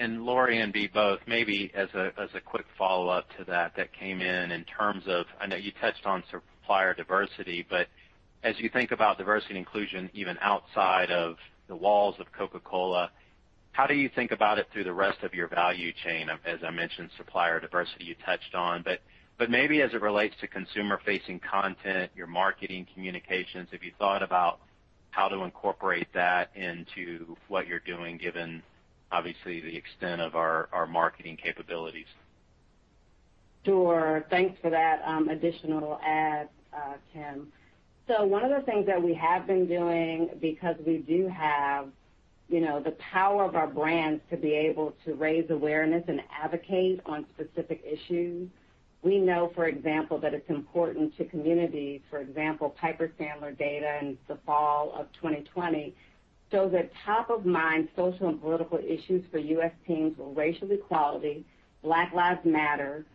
Speaker 2: Lori and Bea both, maybe as a quick follow-up to that that came in terms of, I know you touched on supplier diversity, but as you think about diversity and inclusion even outside of the walls of Coca-Cola, how do you think about it through the rest of your value chain? As I mentioned, supplier diversity you touched on, but maybe as it relates to consumer-facing content, your marketing communications, have you thought about how to incorporate that into what you're doing, given, obviously, the extent of our marketing capabilities?
Speaker 5: Sure. Thanks for that additional add, Tim. One of the things that we have been doing, because we do have the power of our brands to be able to raise awareness and advocate on specific issues. We know, for example, that it's important to communities, for example, Piper Sandler data in the fall of 2020 shows that top-of-mind social and political issues for U.S. teens were racial equality, Black Lives Matter,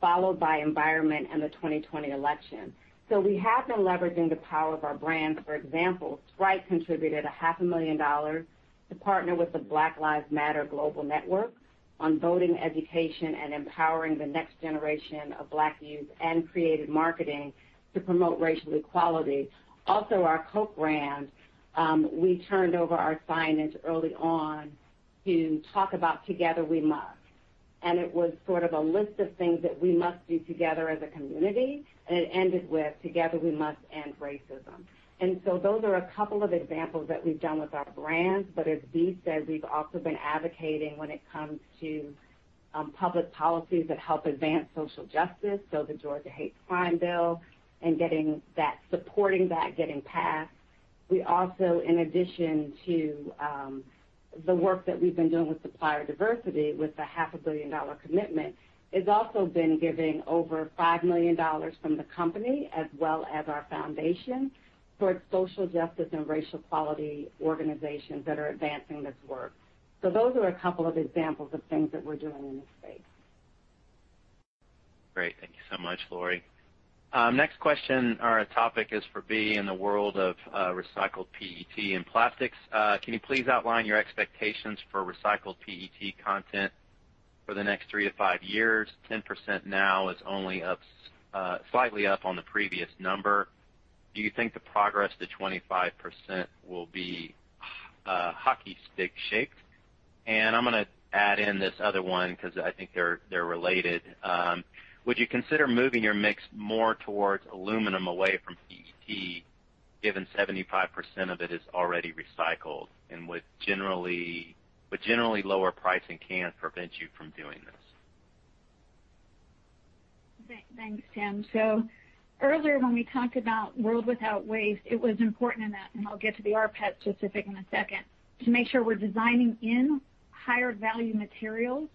Speaker 5: followed by environment and the 2020 election. We have been leveraging the power of our brands. For example, Sprite contributed $500,000 to partner with the Black Lives Matter Global Network on voting education and empowering the next generation of Black youth and created marketing to promote racial equality. Our Coke brand, we turned over our signage early on to talk about Together We Must, and it was sort of a list of things that we must do together as a community, and it ended with, Together we must end racism. Those are a couple of examples that we've done with our brands. As Bea says, we've also been advocating when it comes to public policies that help advance social justice, so the Georgia Hate Crime Bill and supporting that, getting passed. We also, in addition to the work that we've been doing with supplier diversity with the $500 million commitment, has also been giving over $5 million from the company as well as our Foundation towards social justice and racial equality organizations that are advancing this work. Those are a couple of examples of things that we're doing in this space.
Speaker 2: Great. Thank you so much, Lori. Next question or topic is for Bea in the world of recycled PET and plastics. Can you please outline your expectations for recycled PET content for the next 3-5 years? 10% now is only slightly up on the previous number. Do you think the progress to 25% will be hockey stick shaped? I'm going to add in this other one because I think they're related. Would you consider moving your mix more towards aluminum away from PET, given 75% of it is already recycled and would generally lower pricing can prevent you from doing this?
Speaker 4: Thanks, Tim. Earlier when we talked about World Without Waste, it was important in that, and I'll get to the rPET specific in a second, to make sure we're designing in higher value materials,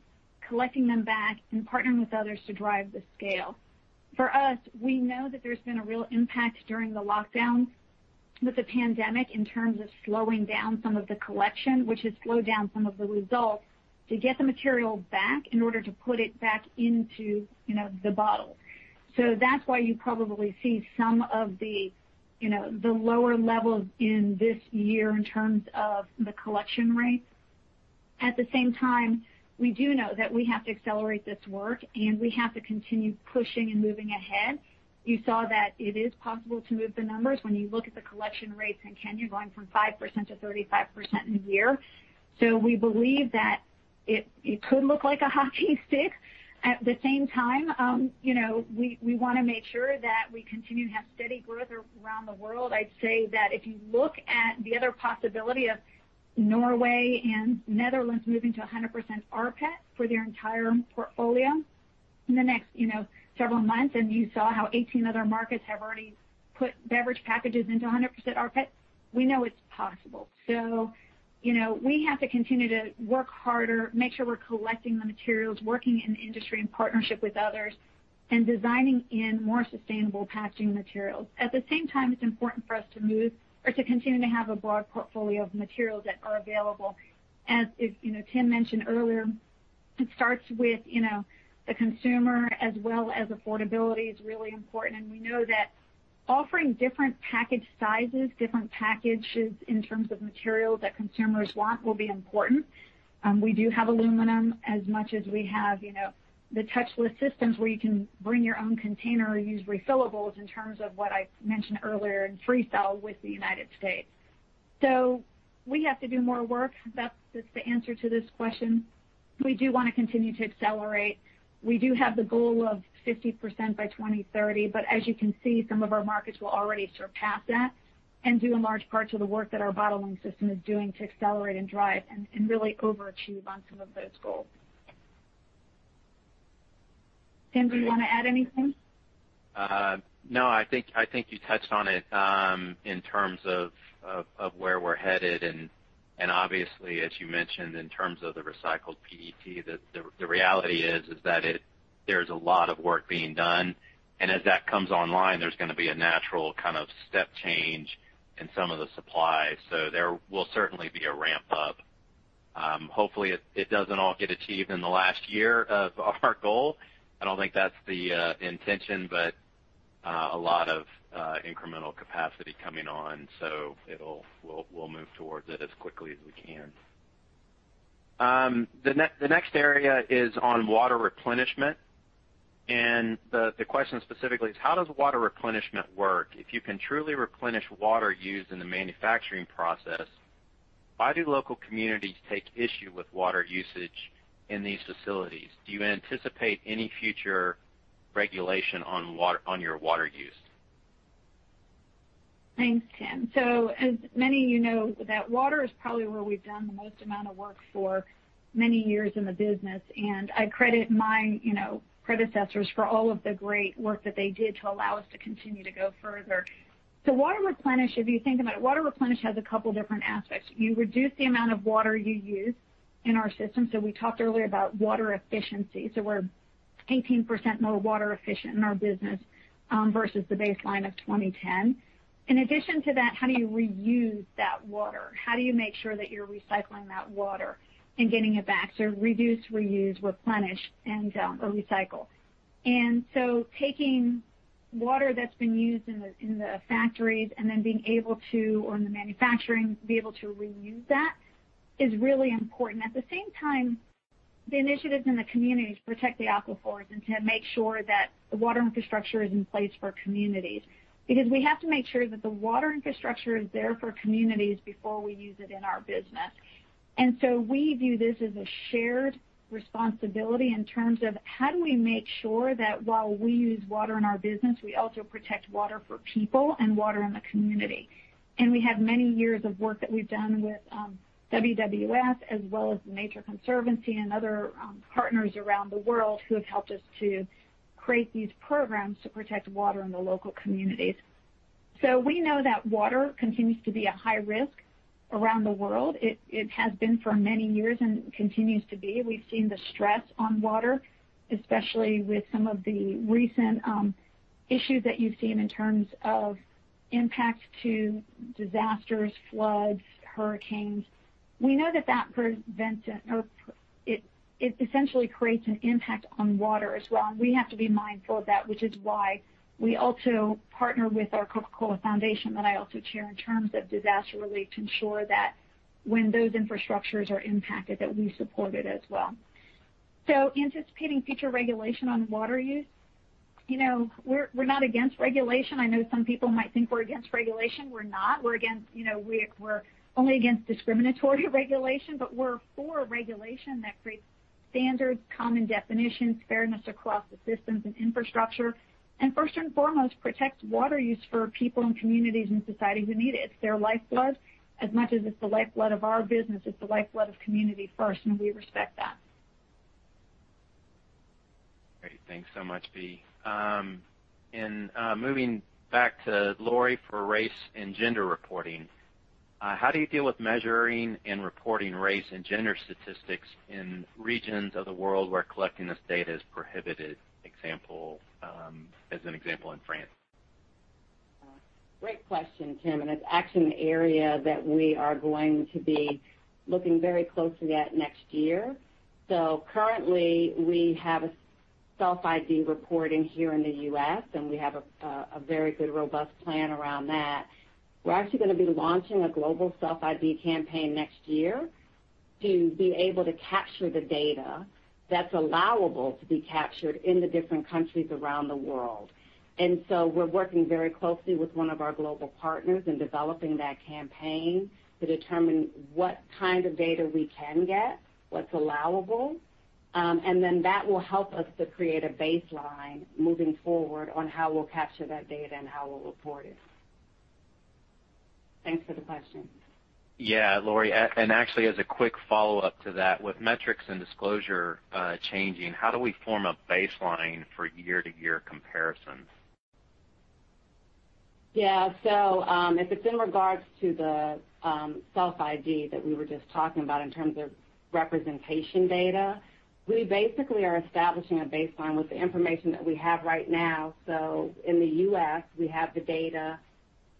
Speaker 4: collecting them back, and partnering with others to drive the scale. For us, we know that there's been a real impact during the lockdown with the pandemic in terms of slowing down some of the collection, which has slowed down some of the results to get the material back in order to put it back into the bottle. That's why you probably see some of the lower levels in this year in terms of the collection rates. At the same time, we do know that we have to accelerate this work, and we have to continue pushing and moving ahead. You saw that it is possible to move the numbers when you look at the collection rates in Kenya going from 5%-35% in a year. We believe that it could look like a hockey stick. At the same time, we want to make sure that we continue to have steady growth around the world. I'd say that if you look at the other possibility of Norway and Netherlands moving to 100% rPET for their entire portfolio in the next several months, and you saw how 18 other markets have already put beverage packages into 100% rPET, we know it's possible. We have to continue to work harder, make sure we're collecting the materials, working in the industry in partnership with others, and designing in more sustainable packaging materials. At the same time, it's important for us to move or to continue to have a broad portfolio of materials that are available. As Tim mentioned earlier, it starts with the consumer as well as affordability is really important. We know that offering different package sizes, different packages in terms of material that consumers want will be important. We do have aluminum as much as we have the touchless systems where you can bring your own container or use refillables in terms of what I mentioned earlier in Freestyle with the U.S. We have to do more work. That's the answer to this question. We do want to continue to accelerate. We do have the goal of 50% by 2030, but as you can see, some of our markets will already surpass that and do a large part of the work that our bottling system is doing to accelerate and drive and really overachieve on some of those goals. Tim, do you want to add anything?
Speaker 2: I think you touched on it, in terms of where we're headed. Obviously, as you mentioned in terms of the recycled PET, the reality is that there's a lot of work being done. As that comes online, there's going to be a natural kind of step change in some of the supplies. There will certainly be a ramp up. Hopefully, it doesn't all get achieved in the last year of our goal. I don't think that's the intention, but a lot of incremental capacity coming on, so we'll move towards it as quickly as we can. The next area is on water replenishment. The question specifically is: how does water replenishment work? If you can truly replenish water used in the manufacturing process, why do local communities take issue with water usage in these facilities? Do you anticipate any future regulation on your water use?
Speaker 4: Thanks, Tim. As many of you know, that water is probably where we've done the most amount of work for many years in the business, and I credit my predecessors for all of the great work that they did to allow us to continue to go further. Water replenish, if you think about it, water replenish has a couple different aspects. You reduce the amount of water you use in our system. We talked earlier about water efficiency. We're 18% more water efficient in our business, versus the baseline of 2010. In addition to that, how do you reuse that water? How do you make sure that you're recycling that water and getting it back? Reduce, reuse, replenish, and, or recycle. Taking water that's been used in the factories and then being able to, on the manufacturing, be able to reuse that is really important. At the same time, the initiatives in the community to protect the aquifers and to make sure that the water infrastructure is in place for communities. Because we have to make sure that the water infrastructure is there for communities before we use it in our business. We view this as a shared responsibility in terms of how do we make sure that while we use water in our business, we also protect water for people and water in the community. We have many years of work that we've done with WWF as well as The Nature Conservancy and other partners around the world who have helped us to create these programs to protect water in the local communities. We know that water continues to be a high risk around the world. It has been for many years and continues to be. We've seen the stress on water, especially with some of the recent issues that you've seen in terms of impacts to disasters, floods, hurricanes. We know that it essentially creates an impact on water as well, and we have to be mindful of that, which is why we also partner with our Coca-Cola Foundation that I also chair in terms of disaster relief to ensure that when those infrastructures are impacted, that we support it as well. Anticipating future regulation on water use, we're not against regulation. I know some people might think we're against regulation. We're not. We're only against discriminatory regulation, but we're for regulation that creates standards, common definitions, fairness across the systems and infrastructure. First and foremost, protects water use for people and communities and societies who need it. It's their lifeblood. As much as it's the lifeblood of our business, it's the lifeblood of community first, and we respect that.
Speaker 2: Great. Thanks so much, Bea. Moving back to Lori for race and gender reporting. How do you deal with measuring and reporting race and gender statistics in regions of the world where collecting this data is prohibited, as an example, in France?
Speaker 5: Great question, Tim, and it's actually an area that we are going to be looking very closely at next year. Currently, we have a Self-ID reporting here in the U.S., and we have a very good, robust plan around that. We're actually going to be launching a global Self-ID campaign next year to be able to capture the data that's allowable to be captured in the different countries around the world. We're working very closely with one of our global partners in developing that campaign to determine what kind of data we can get, what's allowable. That will help us to create a baseline moving forward on how we'll capture that data and how we'll report it. Thanks for the question.
Speaker 2: Yeah, Lori. Actually, as a quick follow-up to that, with metrics and disclosure changing, how do we form a baseline for year-to-year comparisons?
Speaker 5: If it's in regards to the Self-ID that we were just talking about in terms of representation data, we basically are establishing a baseline with the information that we have right now. In the U.S., we have the data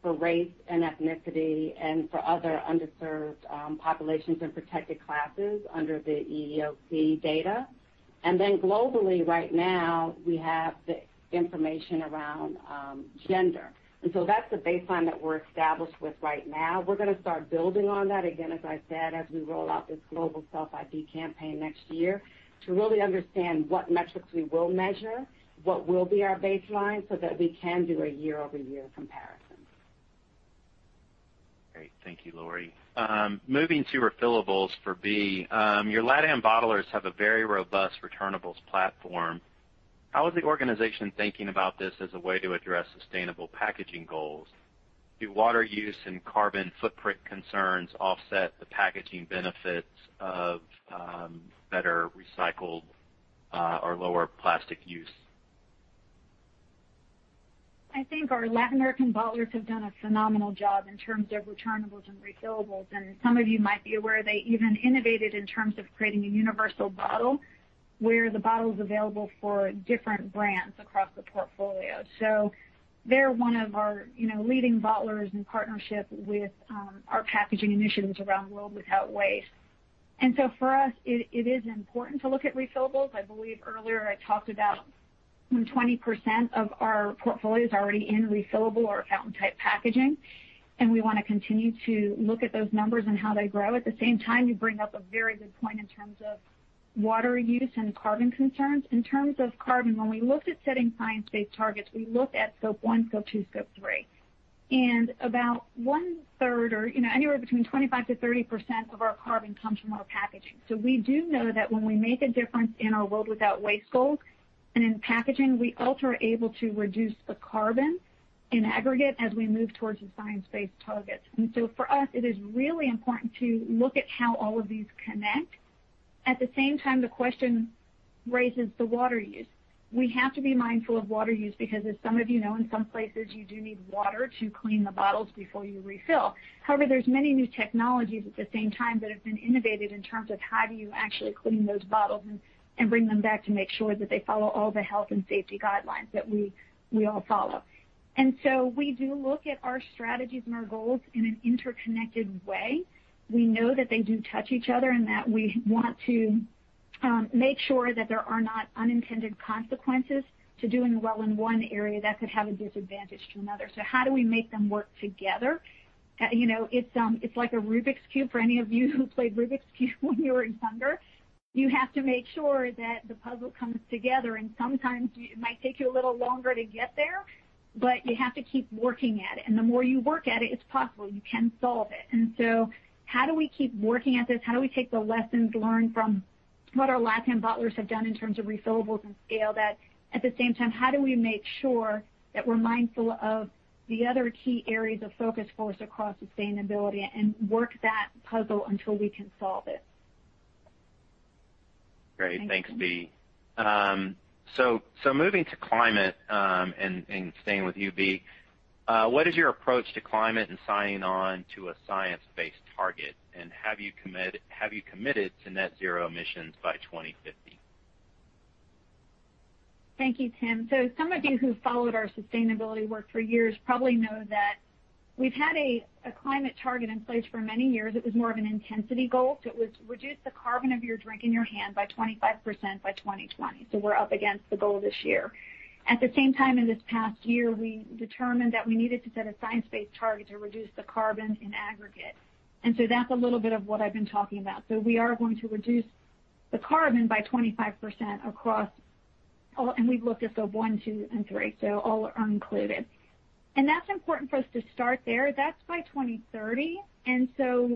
Speaker 5: for race and ethnicity and for other underserved populations and protected classes under the EEO data. Globally, right now, we have the information around gender. That's the baseline that we're established with right now. We're going to start building on that, again, as I said, as we roll out this global Self-ID campaign next year to really understand what metrics we will measure, what will be our baseline, so that we can do a year-over-year comparison.
Speaker 2: Great. Thank you, Lori. Moving to refillables for Bea. Your LATAM bottlers have a very robust returnables platform. How is the organization thinking about this as a way to address sustainable packaging goals? Do water use and carbon footprint concerns offset the packaging benefits of better recycled, or lower plastic use?
Speaker 4: I think our Latin American bottlers have done a phenomenal job in terms of returnables and refillables, and some of you might be aware they even innovated in terms of creating a universal bottle where the bottle's available for different brands across the portfolio. They're one of our leading bottlers in partnership with our packaging initiatives around the World Without Waste. For us, it is important to look at refillables. I believe earlier I talked about 20% of our portfolio is already in refillable or fountain-type packaging, and we want to continue to look at those numbers and how they grow. At the same time, you bring up a very good point in terms of water use and carbon concerns. In terms of carbon, when we looked at setting science-based targets, we looked at Scope 1, Scope 2, Scope 3. About one-third or anywhere between 25%-30% of our carbon comes from our packaging. We do know that when we make a difference in our World Without Waste goals and in packaging, we also are able to reduce the carbon in aggregate as we move towards the science-based targets. For us, it is really important to look at how all of these connect. At the same time, the question raises the water use. We have to be mindful of water use because as some of you know, in some places you do need water to clean the bottles before you refill. However, there's many new technologies at the same time that have been innovated in terms of how do you actually clean those bottles and bring them back to make sure that they follow all the health and safety guidelines that we all follow. We do look at our strategies and our goals in an interconnected way. We know that they do touch each other, and that we want to make sure that there are not unintended consequences to doing well in one area that could have a disadvantage to another. How do we make them work together? It's like a Rubik's Cube, for any of you who played Rubik's Cube when you were younger. You have to make sure that the puzzle comes together, and sometimes it might take you a little longer to get there, but you have to keep working at it. The more you work at it's possible. You can solve it. How do we keep working at this? How do we take the lessons learned from what our Latin bottlers have done in terms of refillables and scale that? At the same time, how do we make sure that we're mindful of the other key areas of focus for us across sustainability and work that puzzle until we can solve it?
Speaker 2: Great. Thanks, Bea. Moving to climate, and staying with you, Bea, what is your approach to climate and signing on to a science-based target? Have you committed to net zero emissions by 2050?
Speaker 4: Thank you, Tim. Some of you who followed our sustainability work for years probably know that we've had a climate target in place for many years. It was more of an intensity goal, so it was reduce the carbon of your Drink in Your Hand by 25% by 2020. We're up against the goal this year. At the same time, in this past year, we determined that we needed to set a science-based target to reduce the carbon in aggregate. That's a little bit of what I've been talking about. We are going to reduce the carbon by 25%. We've looked at Scope 1, 2, and 3, so all are included. That's important for us to start there. That's by 2030.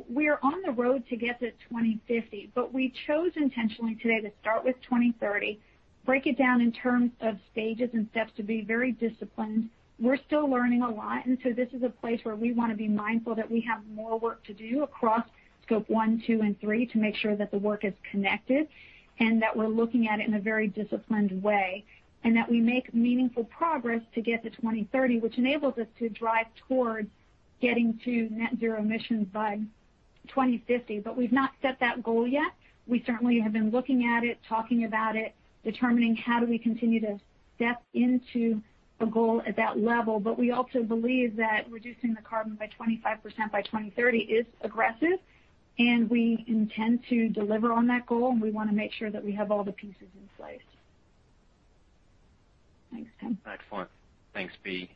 Speaker 4: We're on the road to get to 2050. We chose intentionally today to start with 2030, break it down in terms of stages and steps to be very disciplined. We're still learning a lot, and so this is a place where we want to be mindful that we have more work to do across Scope 1, 2, and 3 to make sure that the work is connected and that we're looking at it in a very disciplined way, and that we make meaningful progress to get to 2030, which enables us to drive towards getting to net zero emissions by 2050. We've not set that goal yet. We certainly have been looking at it, talking about it, determining how do we continue to step into a goal at that level. We also believe that reducing the carbon by 25% by 2030 is aggressive, and we intend to deliver on that goal, and we want to make sure that we have all the pieces in place. Thanks, Tim.
Speaker 2: Excellent. Thanks, Bea.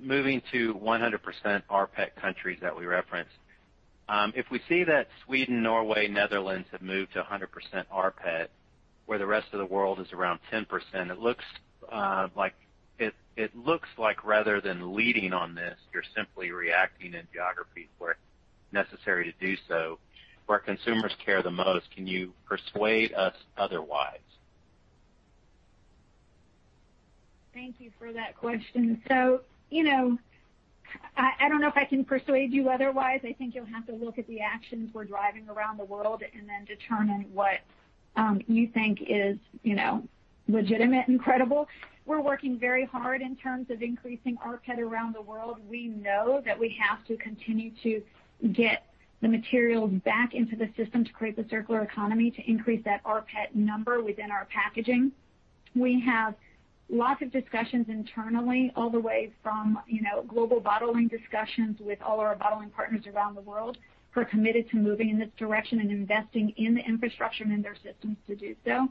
Speaker 2: Moving to 100% rPET countries that we referenced. If we see that Sweden, Norway, Netherlands have moved to 100% rPET, where the rest of the world is around 10%, it looks like rather than leading on this, you're simply reacting in geographies where necessary to do so, where consumers care the most. Can you persuade us otherwise?
Speaker 4: Thank you for that question. I don't know if I can persuade you otherwise. I think you'll have to look at the actions we're driving around the world and then determine what you think is legitimate and credible. We're working very hard in terms of increasing rPET around the world. We know that we have to continue to get the materials back into the system to create the circular economy to increase that rPET number within our packaging. We have lots of discussions internally, all the way from global bottling discussions with all our bottling partners around the world who are committed to moving in this direction and investing in the infrastructure in their systems to do so,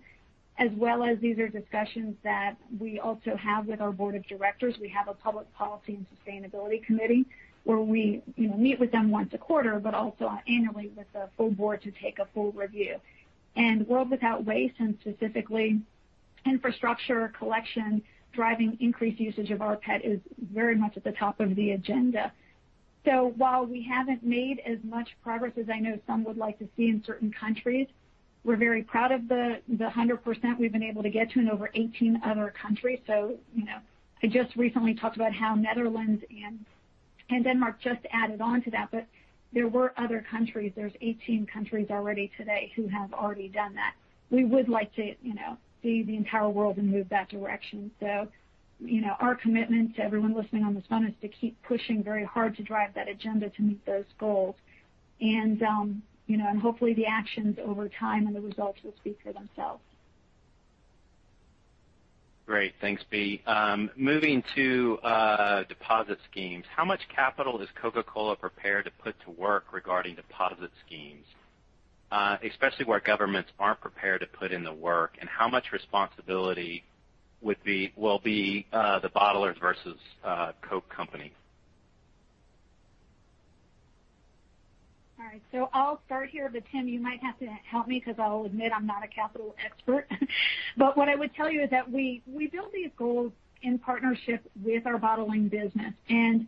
Speaker 4: as well as these are discussions that we also have with our Board of Directors. We have a Public Policy and Sustainability Committee where we meet with them once a quarter, but also annually with the full board to take a full review. World Without Waste, and specifically infrastructure collection, driving increased usage of rPET is very much at the top of the agenda. While we haven't made as much progress as I know some would like to see in certain countries, we're very proud of the 100% we've been able to get to in over 18 other countries. I just recently talked about how Netherlands and Norway just added on to that, but there were other countries. There's 18 countries already today who have already done that. We would like to see the entire world and move that direction. Our commitment to everyone listening on this phone is to keep pushing very hard to drive that agenda to meet those goals. Hopefully the actions over time and the results will speak for themselves.
Speaker 2: Great. Thanks, Bea. Moving to deposit schemes. How much capital is Coca-Cola prepared to put to work regarding deposit schemes, especially where governments aren't prepared to put in the work, how much responsibility will be the bottlers versus Coke company?
Speaker 4: All right. I'll start here, but Tim, you might have to help me because I'll admit I'm not a capital expert. What I would tell you is that we build these goals in partnership with our bottling business, and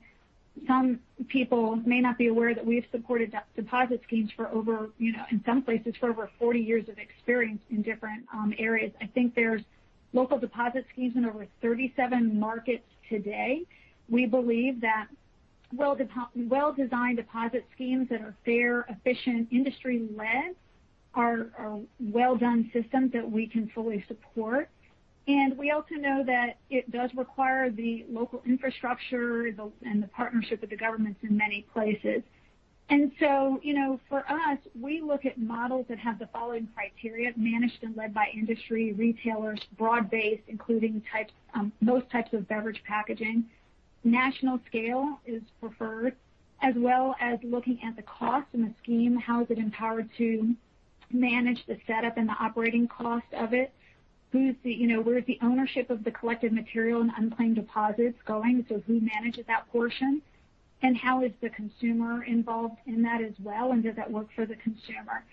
Speaker 4: some people may not be aware that we've supported deposit schemes for over, in some places, for over 40 years of experience in different areas. I think there's local deposit schemes in over 37 markets today. We believe that well-designed deposit schemes that are fair, efficient, industry-led are well-done systems that we can fully support. We also know that it does require the local infrastructure and the partnership with the governments in many places. For us, we look at models that have the following criteria, managed and led by industry, retailers, broad-based, including most types of beverage packaging. National scale is preferred, as well as looking at the cost and the scheme, how is it empowered to manage the setup and the operating cost of it? Where is the ownership of the collected material and unclaimed deposits going? Who manages that portion? How is the consumer involved in that as well, and does that work for the consumer?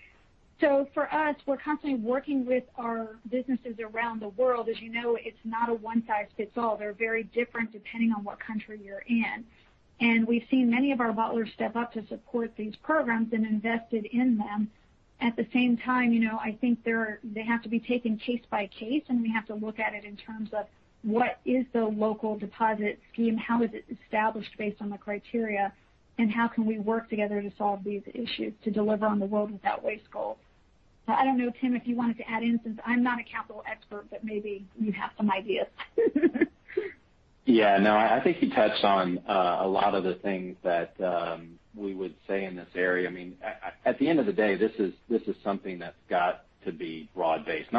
Speaker 4: For us, we're constantly working with our businesses around the world. As you know, it's not a one-size-fits-all. They're very different depending on what country you're in. We've seen many of our bottlers step up to support these programs and invested in them. At the same time, I think they have to be taken case by case, and we have to look at it in terms of what is the local deposit scheme, how is it established based on the criteria, and how can we work together to solve these issues to deliver on the World Without Waste goals? I don't know, Tim, if you wanted to add in since I'm not a capital expert, maybe you have some ideas.
Speaker 2: Yeah, no, I think you touched on a lot of the things that we would say in this area. At the end of the day, this is something that's got to be broad-based,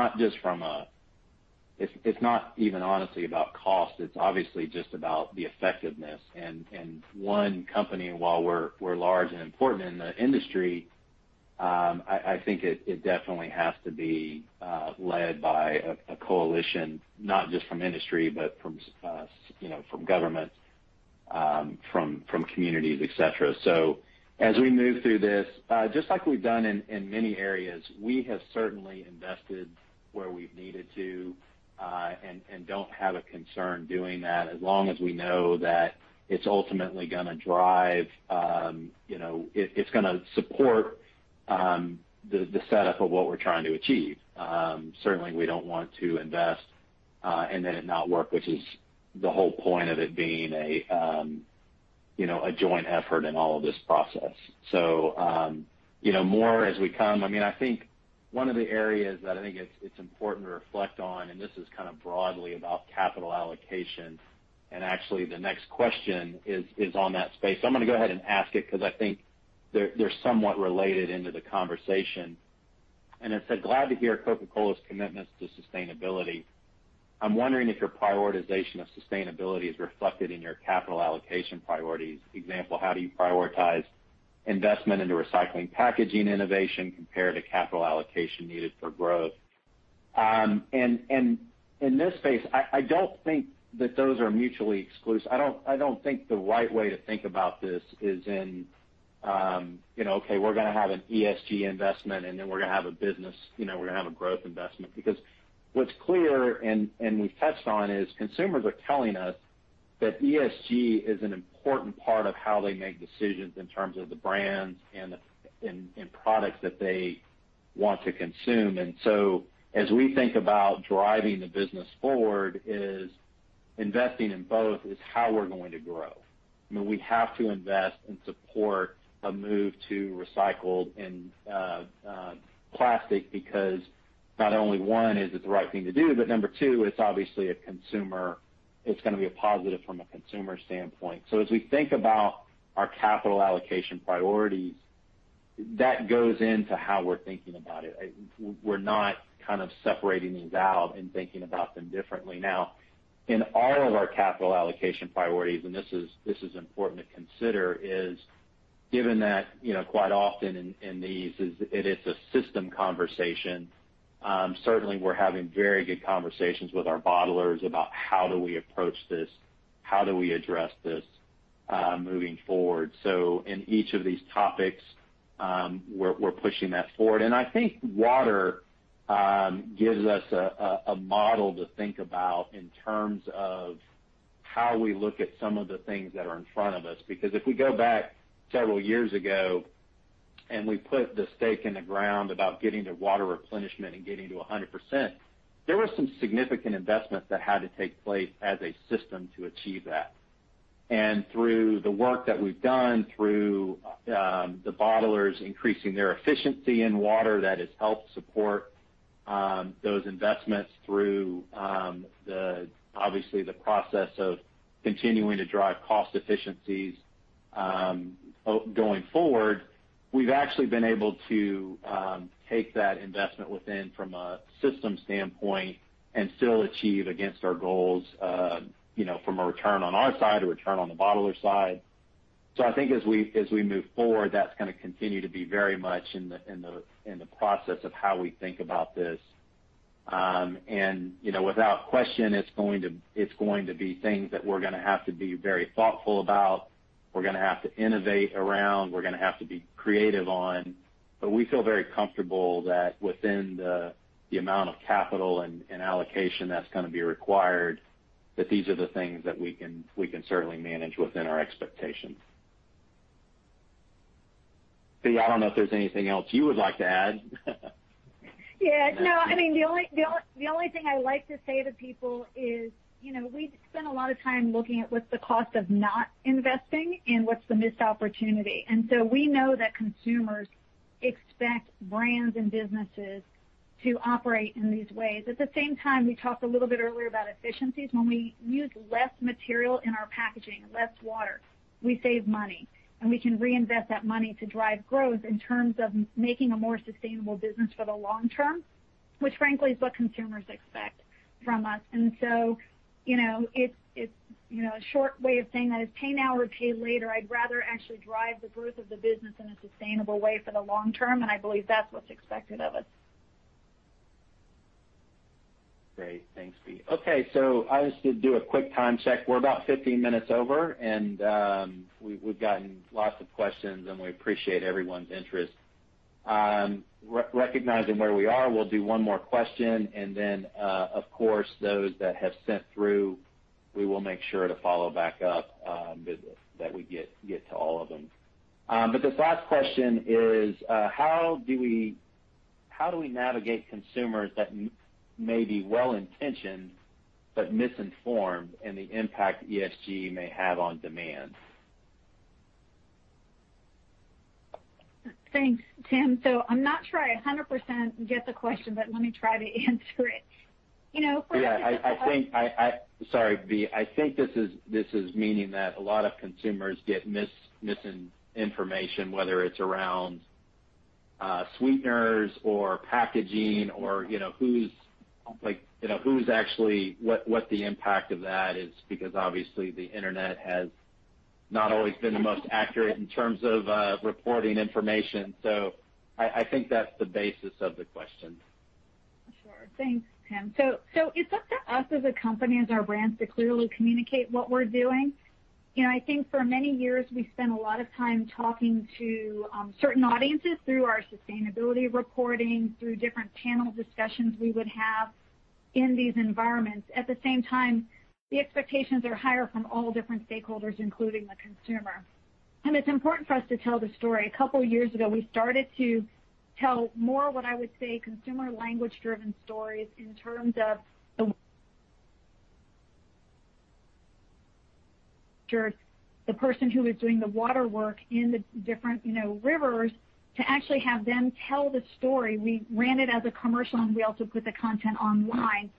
Speaker 2: it's not even honestly about cost. It's obviously just about the effectiveness. One company, while we're large and important in the industry, I think it definitely has to be led by a coalition, not just from industry, but from government, from communities, et cetera. As we move through this, just like we've done in many areas, we have certainly invested where we've needed to, and don't have a concern doing that as long as we know that it's ultimately going to support the setup of what we're trying to achieve. Certainly, we don't want to invest, and then it not work, which is the whole point of it being a joint effort in all of this process. More as we come. I think one of the areas that I think it's important to reflect on, this is kind of broadly about capital allocation, and actually the next question is on that space. I'm going to go ahead and ask it because I think they're somewhat related into the conversation. It said, Glad to hear Coca-Cola's commitments to sustainability. I'm wondering if your prioritization of sustainability is reflected in your capital allocation priorities. Example, how do you prioritize investment into recycling packaging innovation compared to capital allocation needed for growth? In this space, I don't think that those are mutually exclusive. I don't think the right way to think about this is in, okay, we're going to have an ESG investment, and then we're going to have a growth investment. Because what's clear, and we've touched on, is consumers are telling us that ESG is an important part of how they make decisions in terms of the brands and products that they want to consume. As we think about driving the business forward is investing in both is how we're going to grow. We have to invest and support a move to recycled and plastic because not only, one, is it the right thing to do, but number two, it's going to be a positive from a consumer standpoint. As we think about our capital allocation priorities, that goes into how we're thinking about it. We're not kind of separating these out and thinking about them differently. In all of our capital allocation priorities, and this is important to consider, is given that, quite often in these, it is a system conversation. Certainly, we're having very good conversations with our bottlers about how do we approach this, how do we address this, moving forward. In each of these topics, we're pushing that forward. I think water gives us a model to think about in terms of how we look at some of the things that are in front of us. If we go back several years ago, and we put the stake in the ground about getting to water replenishment and getting to 100%, there were some significant investments that had to take place as a system to achieve that. Through the work that we've done, through the bottlers increasing their efficiency in water, that has helped support those investments through, obviously, the process of continuing to drive cost efficiencies going forward. We've actually been able to take that investment within from a system standpoint and still achieve against our goals, from a return on our side, a return on the bottler side. I think as we move forward, that's going to continue to be very much in the process of how we think about this. Without question, it's going to be things that we're going to have to be very thoughtful about, we're going to have to innovate around, we're going to have to be creative on. We feel very comfortable that within the amount of capital and allocation that's going to be required, that these are the things that we can certainly manage within our expectations. Bea, I don't know if there's anything else you would like to add.
Speaker 4: Yeah. No, the only thing I like to say to people is, we've spent a lot of time looking at what's the cost of not investing and what's the missed opportunity. We know that consumers expect brands and businesses to operate in these ways. At the same time, we talked a little bit earlier about efficiencies. When we use less material in our packaging, less water, we save money, and we can reinvest that money to drive growth in terms of making a more sustainable business for the long-term, which frankly is what consumers expect from us. A short way of saying that is pay now or pay later. I'd rather actually drive the growth of the business in a sustainable way for the long-term, and I believe that's what's expected of us.
Speaker 2: Great. Thanks, Bea. Okay, I'll just do a quick time check. We're about 15 minutes over, and we've gotten lots of questions, and we appreciate everyone's interest. Recognizing where we are, we'll do one more question, and then, of course, those that have sent through, we will make sure to follow back up that we get to all of them. This last question is, how do we navigate consumers that may be well-intentioned but misinformed and the impact ESG may have on demand?
Speaker 4: Thanks, Tim. I'm not sure I 100% get the question, but let me try to answer it.
Speaker 2: Yeah. Sorry, Bea. I think this is meaning that a lot of consumers get misinformation, whether it's around sweeteners or packaging or what the impact of that is, because obviously the internet has not always been the most accurate in terms of reporting information. I think that's the basis of the question.
Speaker 4: Sure. Thanks, Tim. It's up to us as a company, as our brands, to clearly communicate what we're doing. I think for many years, we spent a lot of time talking to certain audiences through our sustainability reporting, through different panel discussions we would have in these environments. At the same time, the expectations are higher from all different stakeholders, including the consumer. It's important for us to tell the story. A couple of years ago, we started to tell more what I would say, consumer language driven stories in terms of the person who is doing the water work in the different rivers to actually have them tell the story. We ran it as a commercial, and we also put the content online.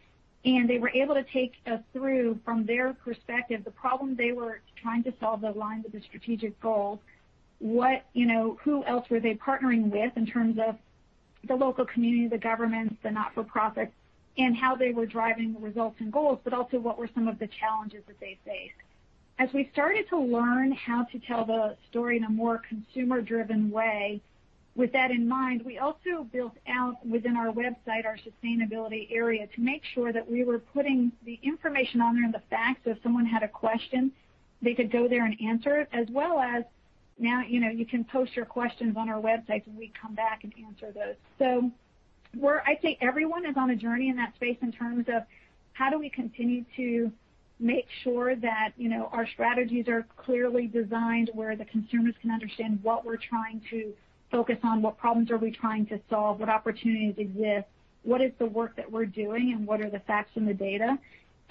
Speaker 4: They were able to take us through, from their perspective, the problem they were trying to solve that aligned with the strategic goals. Who else were they partnering with in terms of the local community, the governments, the not-for-profits, how they were driving the results and goals, also what were some of the challenges that they faced. As we started to learn how to tell the story in a more consumer-driven way, with that in mind, we also built out within our website, our sustainability area, to make sure that we were putting the information on there and the facts so if someone had a question, they could go there and answer it, as well as now you can post your questions on our website. We come back and answer those. I think everyone is on a journey in that space in terms of how do we continue to make sure that our strategies are clearly designed, where the consumers can understand what we're trying to focus on, what problems are we trying to solve, what opportunities exist, what is the work that we're doing, and what are the facts and the data.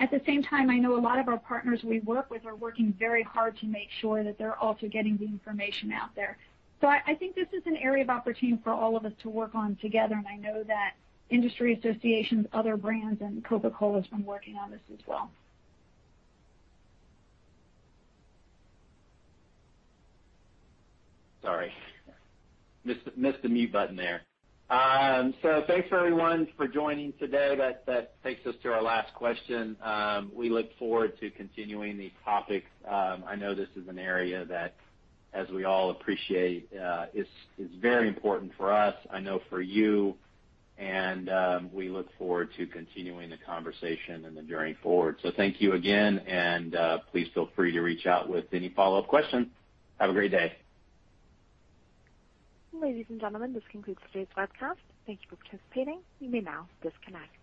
Speaker 4: At the same time, I know a lot of our partners we work with are working very hard to make sure that they're also getting the information out there. I think this is an area of opportunity for all of us to work on together. I know that industry associations, other brands, and Coca-Cola has been working on this as well.
Speaker 2: Sorry. Missed the mute button there. Thanks, everyone, for joining today. That takes us to our last question. We look forward to continuing the topic. I know this is an area that, as we all appreciate, is very important for us, I know for you, and we look forward to continuing the conversation and the journey forward. Thank you again, and please feel free to reach out with any follow-up questions. Have a great day.
Speaker 1: Ladies and gentlemen, this concludes today's webcast. Thank you for participating. You may now disconnect.